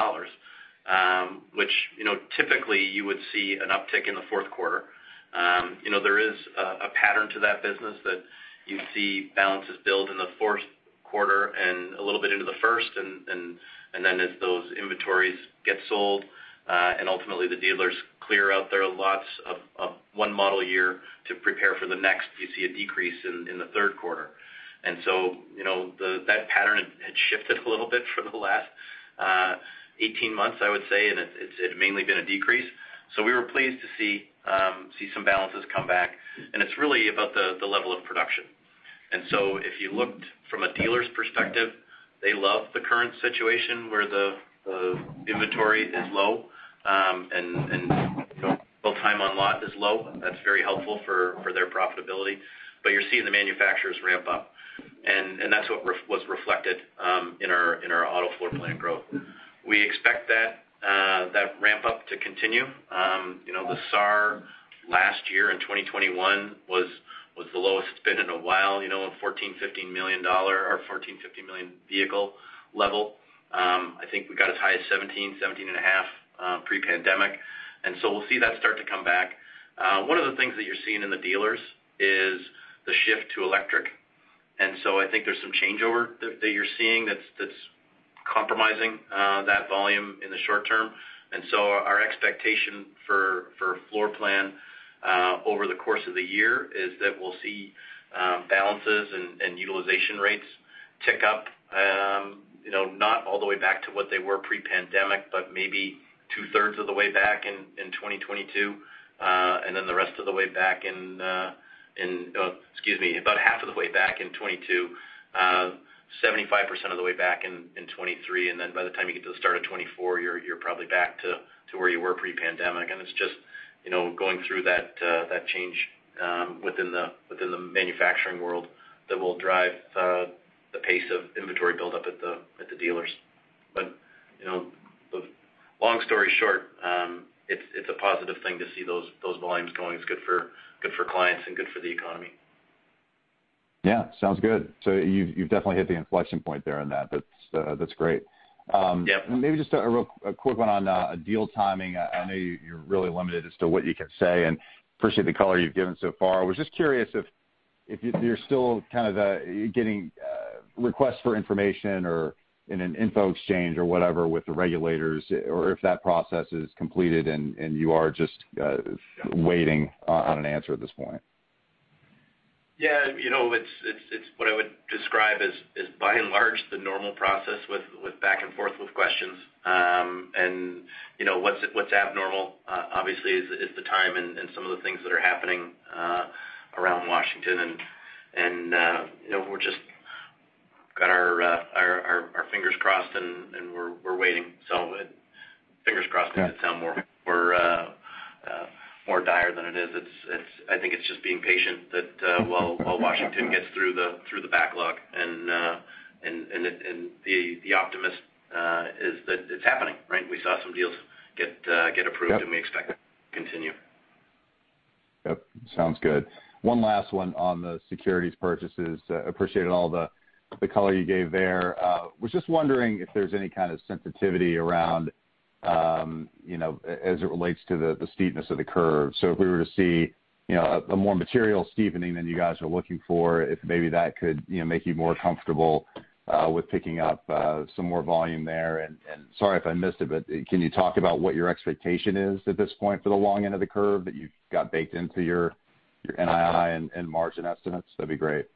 which you know, typically you would see an uptick in the fourth quarter. You know, there is a pattern to that business that you see balances build in the fourth quarter and a little bit into the first. Then as those inventories get sold, and ultimately the dealers clear out their lots of one model year to prepare for the next, you see a decrease in the third quarter. You know, that pattern had shifted a little bit for the last 18 months, I would say, and it's mainly been a decrease. We were pleased to see some balances come back. It's really about the level of production. If you looked from a dealer's perspective, they love the current situation where the inventory is low, and you know, both time on lot is low. That's very helpful for their profitability. You're seeing the manufacturers ramp up, and that's what was reflected in our auto floor plan growth. We expect that ramp up to continue. You know, the SAAR last year in 2021 was the lowest it's been in a while, you know, in 14-15 million vehicle level. I think we got as high as 17-17.5 pre-pandemic. We'll see that start to come back. One of the things that you're seeing in the dealers is the shift to electric. So I think there's some changeover that you're seeing that's compromising that volume in the short term. Our expectation for floor plan over the course of the year is that we'll see balances and utilization rates tick up, you know, not all the way back to what they were pre-pandemic, but maybe two-thirds of the way back in 2022, and then the rest of the way back in, excuse me, about half of the way back in 2022, 75% of the way back in 2023. By the time you get to the start of 2024, you're probably back to where you were pre-pandemic. It's just, you know, going through that change within the manufacturing world that will drive the pace of inventory build up at the dealers. You know, the long story short, it's a positive thing to see those volumes going. It's good for clients and good for the economy. Yeah, sounds good. You've definitely hit the inflection point there on that. That's great. Yeah. Maybe just a quick one on deal timing. I know you're really limited as to what you can say, and appreciate the color you've given so far. I was just curious if you're still kind of getting requests for information or in an info exchange or whatever with the regulators, or if that process is completed and you are just waiting on an answer at this point. Yeah. You know, it's what I would describe as by and large the normal process with back and forth with questions. You know, what's abnormal obviously is the time and some of the things that are happening around Washington. You know, we're just got our fingers crossed and we're waiting. Fingers crossed makes it sound more dire than it is. I think it's just being patient while Washington gets through the backlog and the optimism is that it's happening, right? We saw some deals get approved. Yep. We expect to continue. Yep, sounds good. One last one on the securities purchases. Appreciated all the color you gave there. Was just wondering if there's any kind of sensitivity around, you know, as it relates to the steepness of the curve. So if we were to see, you know, a more material steepening than you guys are looking for, if maybe that could, you know, make you more comfortable with picking up some more volume there. Sorry if I missed it, but can you talk about what your expectation is at this point for the long end of the curve that you've got baked into your NII and margin estimates? That'd be great.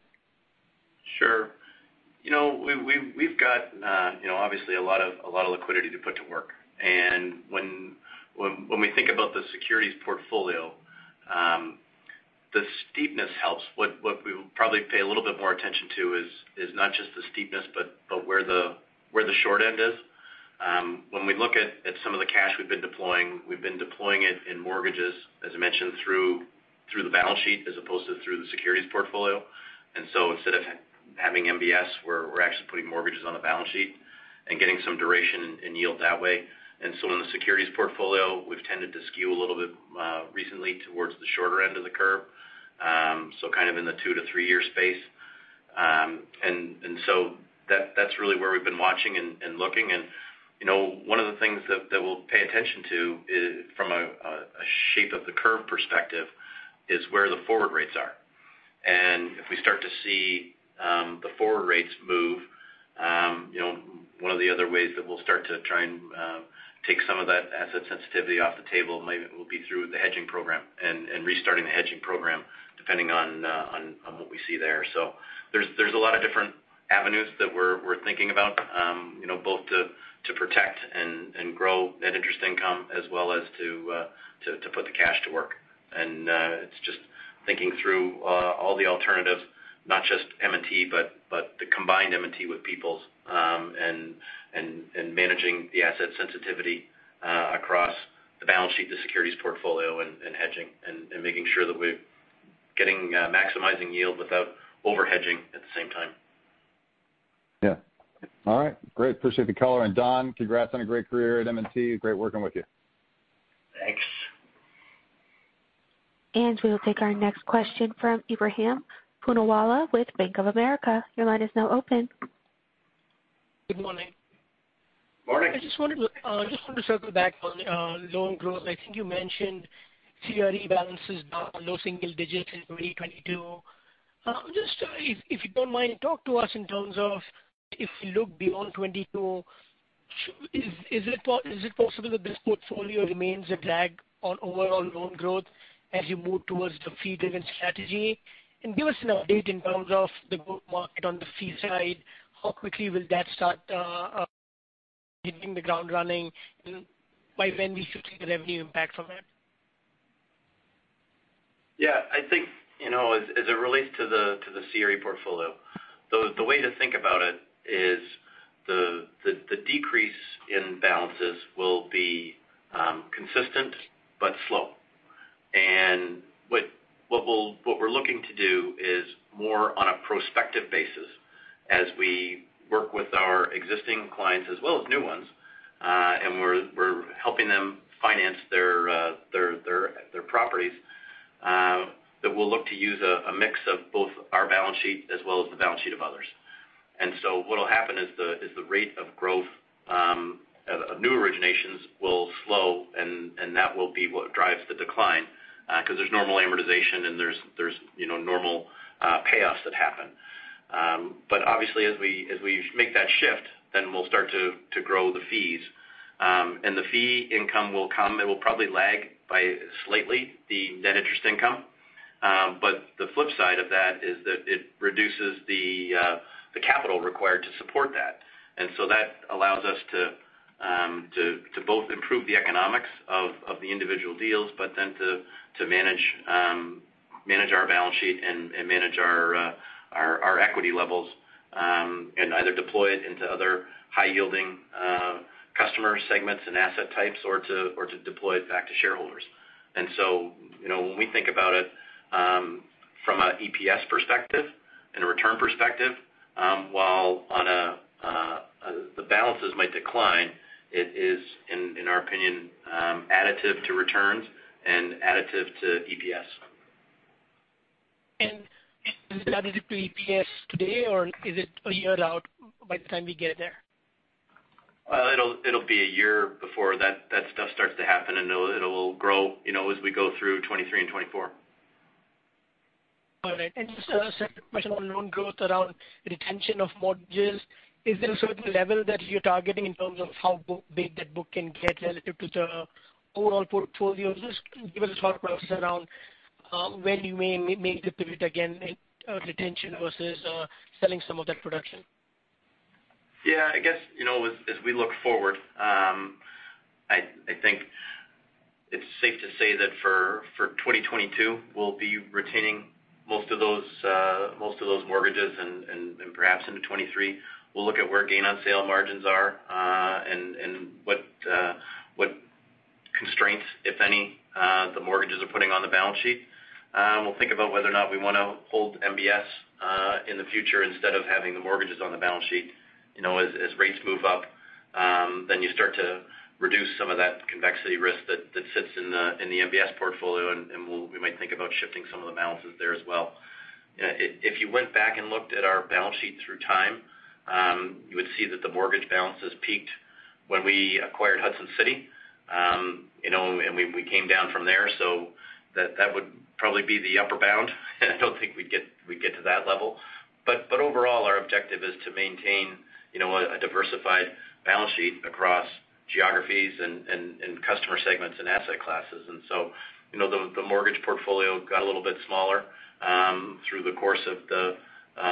Sure. You know, we've got, you know, obviously a lot of liquidity to put to work. When we think about the securities portfolio, the steepness helps. What we probably pay a little bit more attention to is not just the steepness, but where the short end is. When we look at some of the cash we've been deploying, we've been deploying it in mortgages, as I mentioned, through the balance sheet as opposed to through the securities portfolio. Instead of having MBS, we're actually putting mortgages on the balance sheet and getting some duration and yield that way. In the securities portfolio, we've tended to skew a little bit recently towards the shorter end of the curve. Kind of in the 2-3-year space. That's really where we've been watching and looking. You know, one of the things that we'll pay attention to is from a shape of the curve perspective where the forward rates are. If we start to see the forward rates move, you know, one of the other ways that we'll start to try and take some of that asset sensitivity off the table maybe will be through the hedging program and restarting the hedging program depending on what we see there. There's a lot of different avenues that we're thinking about, you know, both to protect and grow net interest income as well as to put the cash to work. It's just thinking through all the alternatives, not just M&T, but the combined M&T with People's, and managing the asset sensitivity across the balance sheet, the securities portfolio and hedging and making sure that we're getting maximizing yield without over-hedging at the same time. Yeah. All right, great. Appreciate the color. Don, congrats on a great career at M&T. Great working with you. Thanks. We will take our next question from Ebrahim Poonawala with Bank of America. Your line is now open. Good morning. Morning. I just wanted to circle back on loan growth. I think you mentioned CRE balances down low single digits in 2022. Just if you don't mind, talk to us in terms of if we look beyond 2022, is it possible that this portfolio remains a drag on overall loan growth as you move towards the fee-driven strategy? Give us an update in terms of the growth market on the fee side. How quickly will that start hitting the ground running, and by when we should see the revenue impact from it? Yeah, I think, you know, as it relates to the CRE portfolio, the decrease in balances will be consistent but slow. What we're looking to do is more on a prospective basis as we work with our existing clients as well as new ones, and we're helping them finance their properties that we'll look to use a mix of both our balance sheet as well as the balance sheet of others. What'll happen is the rate of growth of new originations will slow and that will be what drives the decline because there's normal amortization and there's, you know, normal payoffs that happen. Obviously, as we make that shift, we'll start to grow the fees. The fee income will come. It will probably lag slightly behind the net interest income. The flip side of that is that it reduces the capital required to support that. That allows us to both improve the economics of the individual deals, but then to manage our balance sheet and manage our equity levels, and either deploy it into other high-yielding customer segments and asset types or to deploy it back to shareholders. You know, when we think about it, from a EPS perspective and a return perspective, while the balances might decline, it is, in our opinion, additive to returns and additive to EPS. Is it additive to EPS today, or is it a year out by the time we get there? Well, it'll be a year before that stuff starts to happen, and it'll grow, you know, as we go through 2023 and 2024. All right. Just a second question on loan growth around retention of mortgages. Is there a certain level that you're targeting in terms of how big that book can get relative to the overall portfolio? Just give us a thought process around where you may make the pivot again in retention versus selling some of that production. Yeah, I guess, you know, as we look forward, I think it's safe to say that for 2022, we'll be retaining most of those mortgages, and perhaps into 2023. We'll look at where gain on sale margins are, and what constraints, if any, the mortgages are putting on the balance sheet. We'll think about whether or not we wanna hold MBS in the future instead of having the mortgages on the balance sheet. You know, as rates move up, then you start to reduce some of that convexity risk that sits in the MBS portfolio, and we might think about shifting some of the balances there as well. If you went back and looked at our balance sheet through time, you would see that the mortgage balances peaked when we acquired Hudson City, you know, and we came down from there. That would probably be the upper bound. I don't think we'd get to that level. Overall, our objective is to maintain, you know, a diversified balance sheet across geographies and customer segments and asset classes. You know, the mortgage portfolio got a little bit smaller through the course of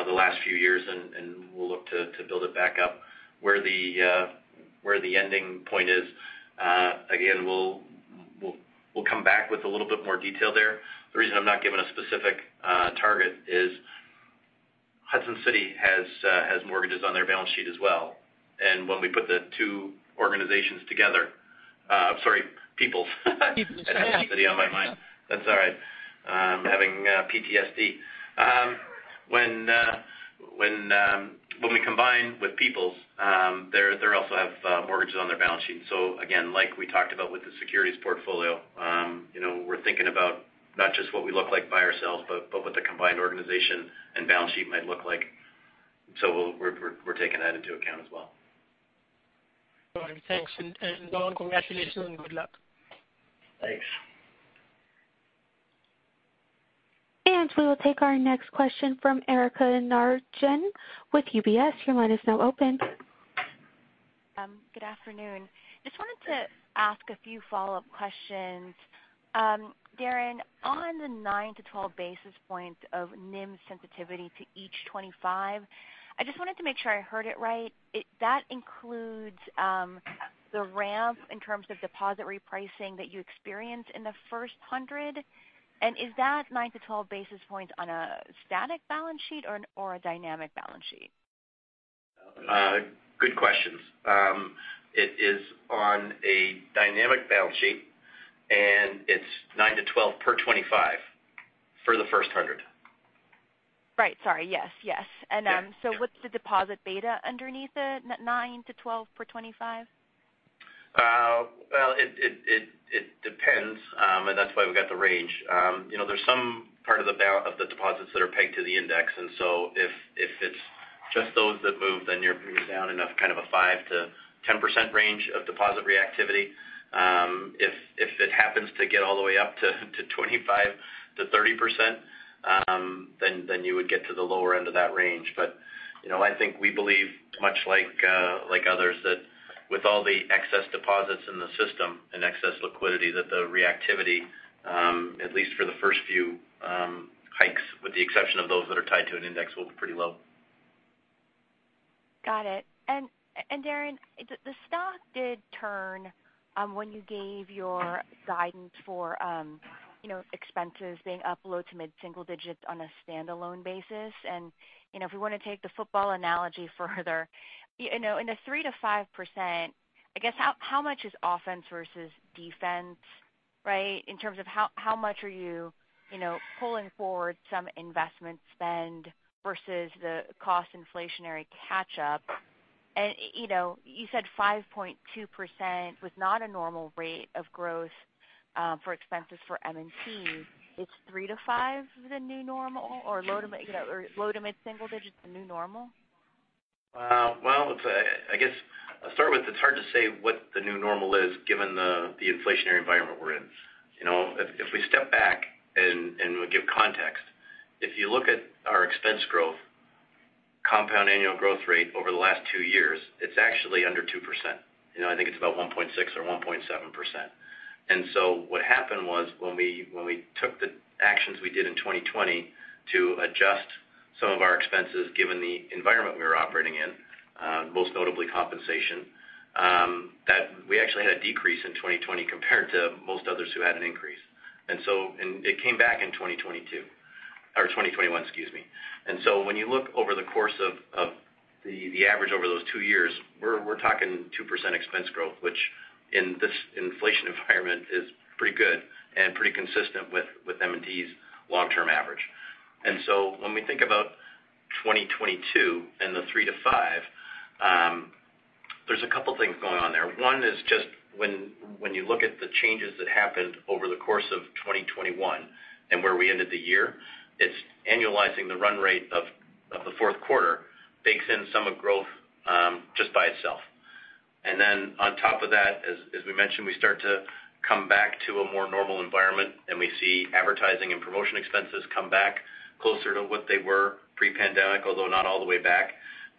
the last few years, and we'll look to build it back up. Where the ending point is, again, we'll come back with a little bit more detail there. The reason I'm not giving a specific target is Hudson City has mortgages on their balance sheet as well. When we put the two organizations together, I'm sorry, People's. People's. Yeah. Hudson City on my mind. That's all right. I'm having PTSD. When we combine with People's, they also have mortgages on their balance sheet. Again, like we talked about with the securities portfolio, you know, we're thinking about not just what we look like by ourselves, but what the combined organization and balance sheet might look like. We're taking that into account as well. All right, thanks. Lauren, congratulations and good luck. Thanks. We will take our next question from Erika Najarian with UBS. Your line is now open. Good afternoon. Just wanted to ask a few follow-up questions. Darrin, on the 9-12 basis points of NIM sensitivity to each 25, I just wanted to make sure I heard it right. That includes the ramp in terms of deposit repricing that you experienced in the first 100. Is that 9-12 basis points on a static balance sheet or a dynamic balance sheet? Good questions. It is on a dynamic balance sheet, and it's 9-12 per 25 for the first 100. Right. Sorry. Yes, yes. Yeah. What's the deposit beta underneath it, 9-12 per 25? Well, it depends, and that's why we've got the range. You know, there's some part of the deposits that are pegged to the index. If it's just those that move, then you're moving down in a 5%-10% range of deposit reactivity. If it happens to get all the way up to 25%-30%, then you would get to the lower end of that range. You know, I think we believe much like others that with all the excess deposits in the system and excess liquidity, that the reactivity at least for the first few hikes, with the exception of those that are tied to an index, will be pretty low. Got it. Darrin, the stock did turn when you gave your guidance for, you know, expenses being up low to mid-single digit on a standalone basis. You know, if we want to take the football analogy further, you know, in the 3%-5%, I guess how much is offense versus defense, right? In terms of how much are you know, pulling forward some investment spend versus the cost inflationary catch-up. You know, you said 5.2% was not a normal rate of growth for expenses for M&T. Is 3%-5% the new normal or low to mid, you know, or low to mid-single digit the new normal? Well, I guess I'll start with it's hard to say what the new normal is given the inflationary environment we're in. You know, if we step back and we give context, if you look at our expense growth compound annual growth rate over the last two years, it's actually under 2%. You know, I think it's about 1.6% or 1.7%. What happened was when we took the actions we did in 2020 to adjust some of our expenses given the environment we were operating in, most notably compensation, that we actually had a decrease in 2020 compared to most others who had an increase. It came back in 2022, or 2021, excuse me. When you look over the course of the average over those two years, we're talking 2% expense growth, which in this inflation environment is pretty good and pretty consistent with M&T's long-term average. When we think about 2022 and the 3%-5%, there's a couple things going on there. One is just when you look at the changes that happened over the course of 2021 and where we ended the year, it's annualizing the run rate of the fourth quarter bakes in some of growth just by itself. On top of that, as we mentioned, we start to come back to a more normal environment, and we see advertising and promotion expenses come back closer to what they were pre-pandemic, although not all the way back.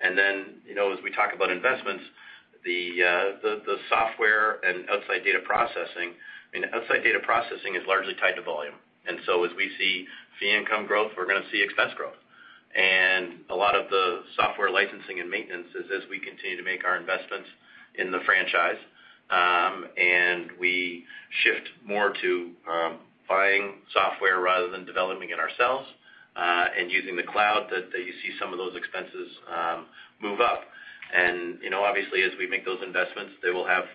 Then, you know, as we talk about investments, the software and outside data processing, I mean, outside data processing is largely tied to volume. As we see fee income growth, we're gonna see expense growth. A lot of the software licensing and maintenance is as we continue to make our investments in the franchise, and we shift more to buying software rather than developing it ourselves, and using the cloud that you see some of those expenses move up. You know, obviously, as we make those investments, they will have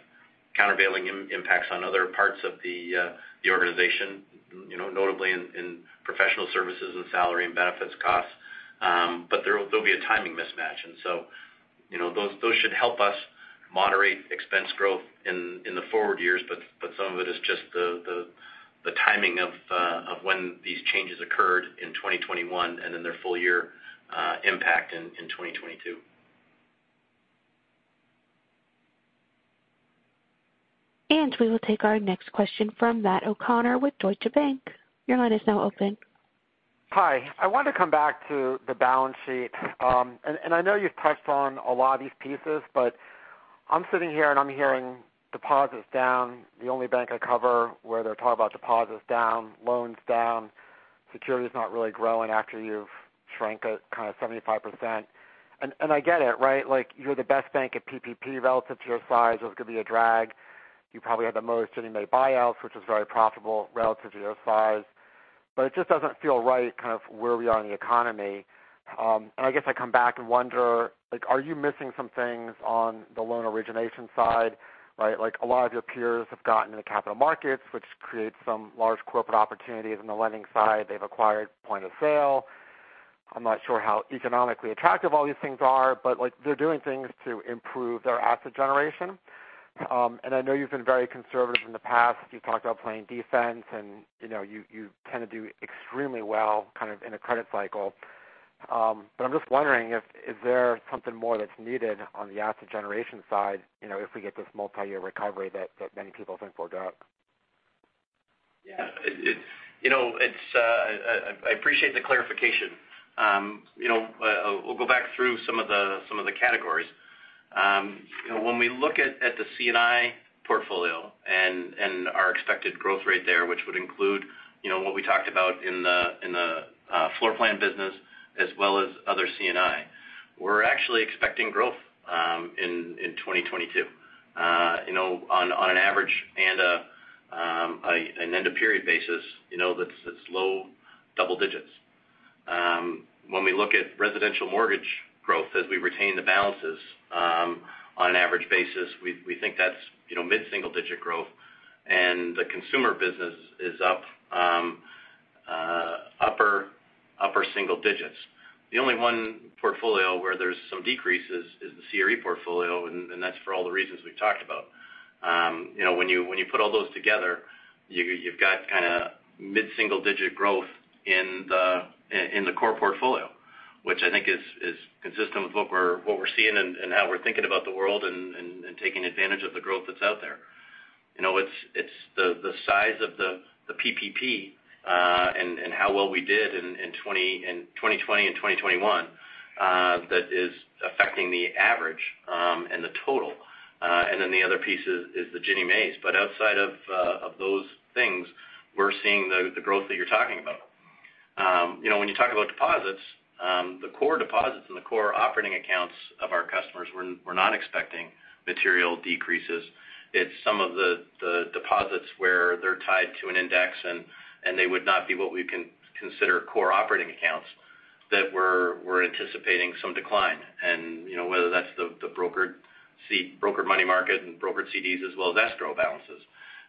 countervailing impacts on other parts of the organization, you know, notably in professional services and salary and benefits costs. There'll be a timing mismatch. You know, those should help us moderate expense growth in the forward years, but some of it is just the timing of when these changes occurred in 2021 and then their full year impact in 2022. We will take our next question from Matt O'Connor with Deutsche Bank. Your line is now open. Hi. I wanted to come back to the balance sheet. I know you've touched on a lot of these pieces, but I'm sitting here and I'm hearing deposits down, the only bank I cover where they're talking about deposits down, loans down, securities not really growing after you've shrank it kind of 75%. I get it, right? Like, you're the best bank at PPP relative to your size. Those could be a drag. You probably had the most Ginnie Mae buyouts, which was very profitable relative to your size. It just doesn't feel right kind of where we are in the economy. I guess I come back and wonder, like, are you missing some things on the loan origination side, right? Like, a lot of your peers have gotten into capital markets, which creates some large corporate opportunities in the lending side. They've acquired point-of-sale. I'm not sure how economically attractive all these things are, but, like, they're doing things to improve their asset generation. I know you've been very conservative in the past. You've talked about playing defense and, you know, you tend to do extremely well kind of in a credit cycle. I'm just wondering if there's something more that's needed on the asset generation side, you know, if we get this multi-year recovery that many people think we're due? Yeah. I appreciate the clarification. You know, we'll go back through some of the categories. You know, when we look at the C&I portfolio and our expected growth rate there, which would include you know, what we talked about in the floor plan business as well as other C&I, we're actually expecting growth in 2022, you know, on an average and an end of period basis, you know, that's low double digits. When we look at residential mortgage growth as we retain the balances, on an average basis, we think that's you know, mid-single digit growth. The consumer business is up upper single digits. The only one portfolio where there's some decreases is the CRE portfolio, and that's for all the reasons we've talked about. You know, when you put all those together, you've got kinda mid-single-digit growth in the core portfolio, which I think is consistent with what we're seeing and taking advantage of the growth that's out there. You know, it's the size of the PPP and how well we did in 2020 and 2021 that is affecting the average and the total. Then the other piece is the Ginnie Maes. Outside of those things, we're seeing the growth that you're talking about. You know, when you talk about deposits, the core deposits and the core operating accounts of our customers, we're not expecting material decreases. It's some of the deposits where they're tied to an index and they would not be what we consider core operating accounts that we're anticipating some decline. You know, whether that's the brokered money market and brokered CDs as well as escrow balances.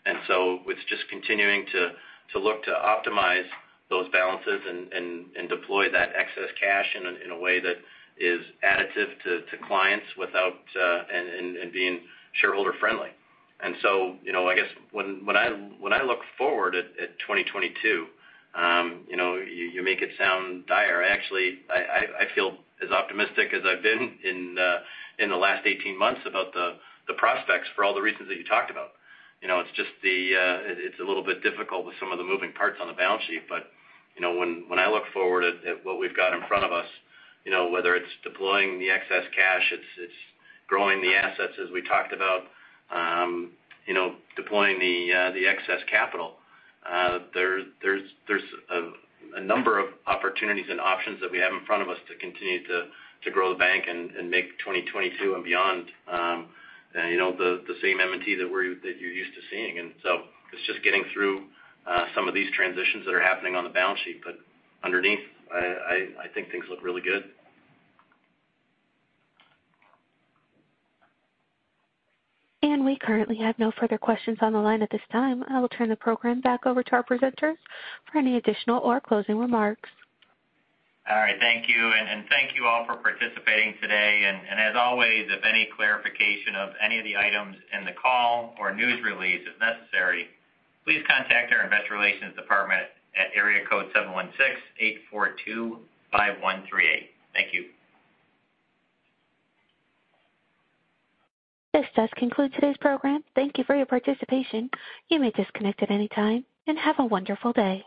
It's just continuing to look to optimize those balances and deploy that excess cash in a way that is additive to clients without and being shareholder friendly. You know, I guess when I look forward at 2022, you make it sound dire. Actually, I feel as optimistic as I've been in the last 18 months about the prospects for all the reasons that you talked about. You know, it's a little bit difficult with some of the moving parts on the balance sheet. You know, when I look forward at what we've got in front of us, you know, whether it's deploying the excess cash, it's growing the assets as we talked about, you know, deploying the excess capital, there's a number of opportunities and options that we have in front of us to continue to grow the bank and make 2022 and beyond, you know, the same M&T that you're used to seeing. It's just getting through some of these transitions that are happening on the balance sheet. Underneath, I think things look really good. We currently have no further questions on the line at this time. I will turn the program back over to our presenters for any additional or closing remarks. All right. Thank you. Thank you all for participating today. As always, if any clarification of any of the items in the call or news release is necessary, please contact our investor relations department at area code 716-842-5138. Thank you. This does conclude today's program. Thank you for your participation. You may disconnect at any time, and have a wonderful day.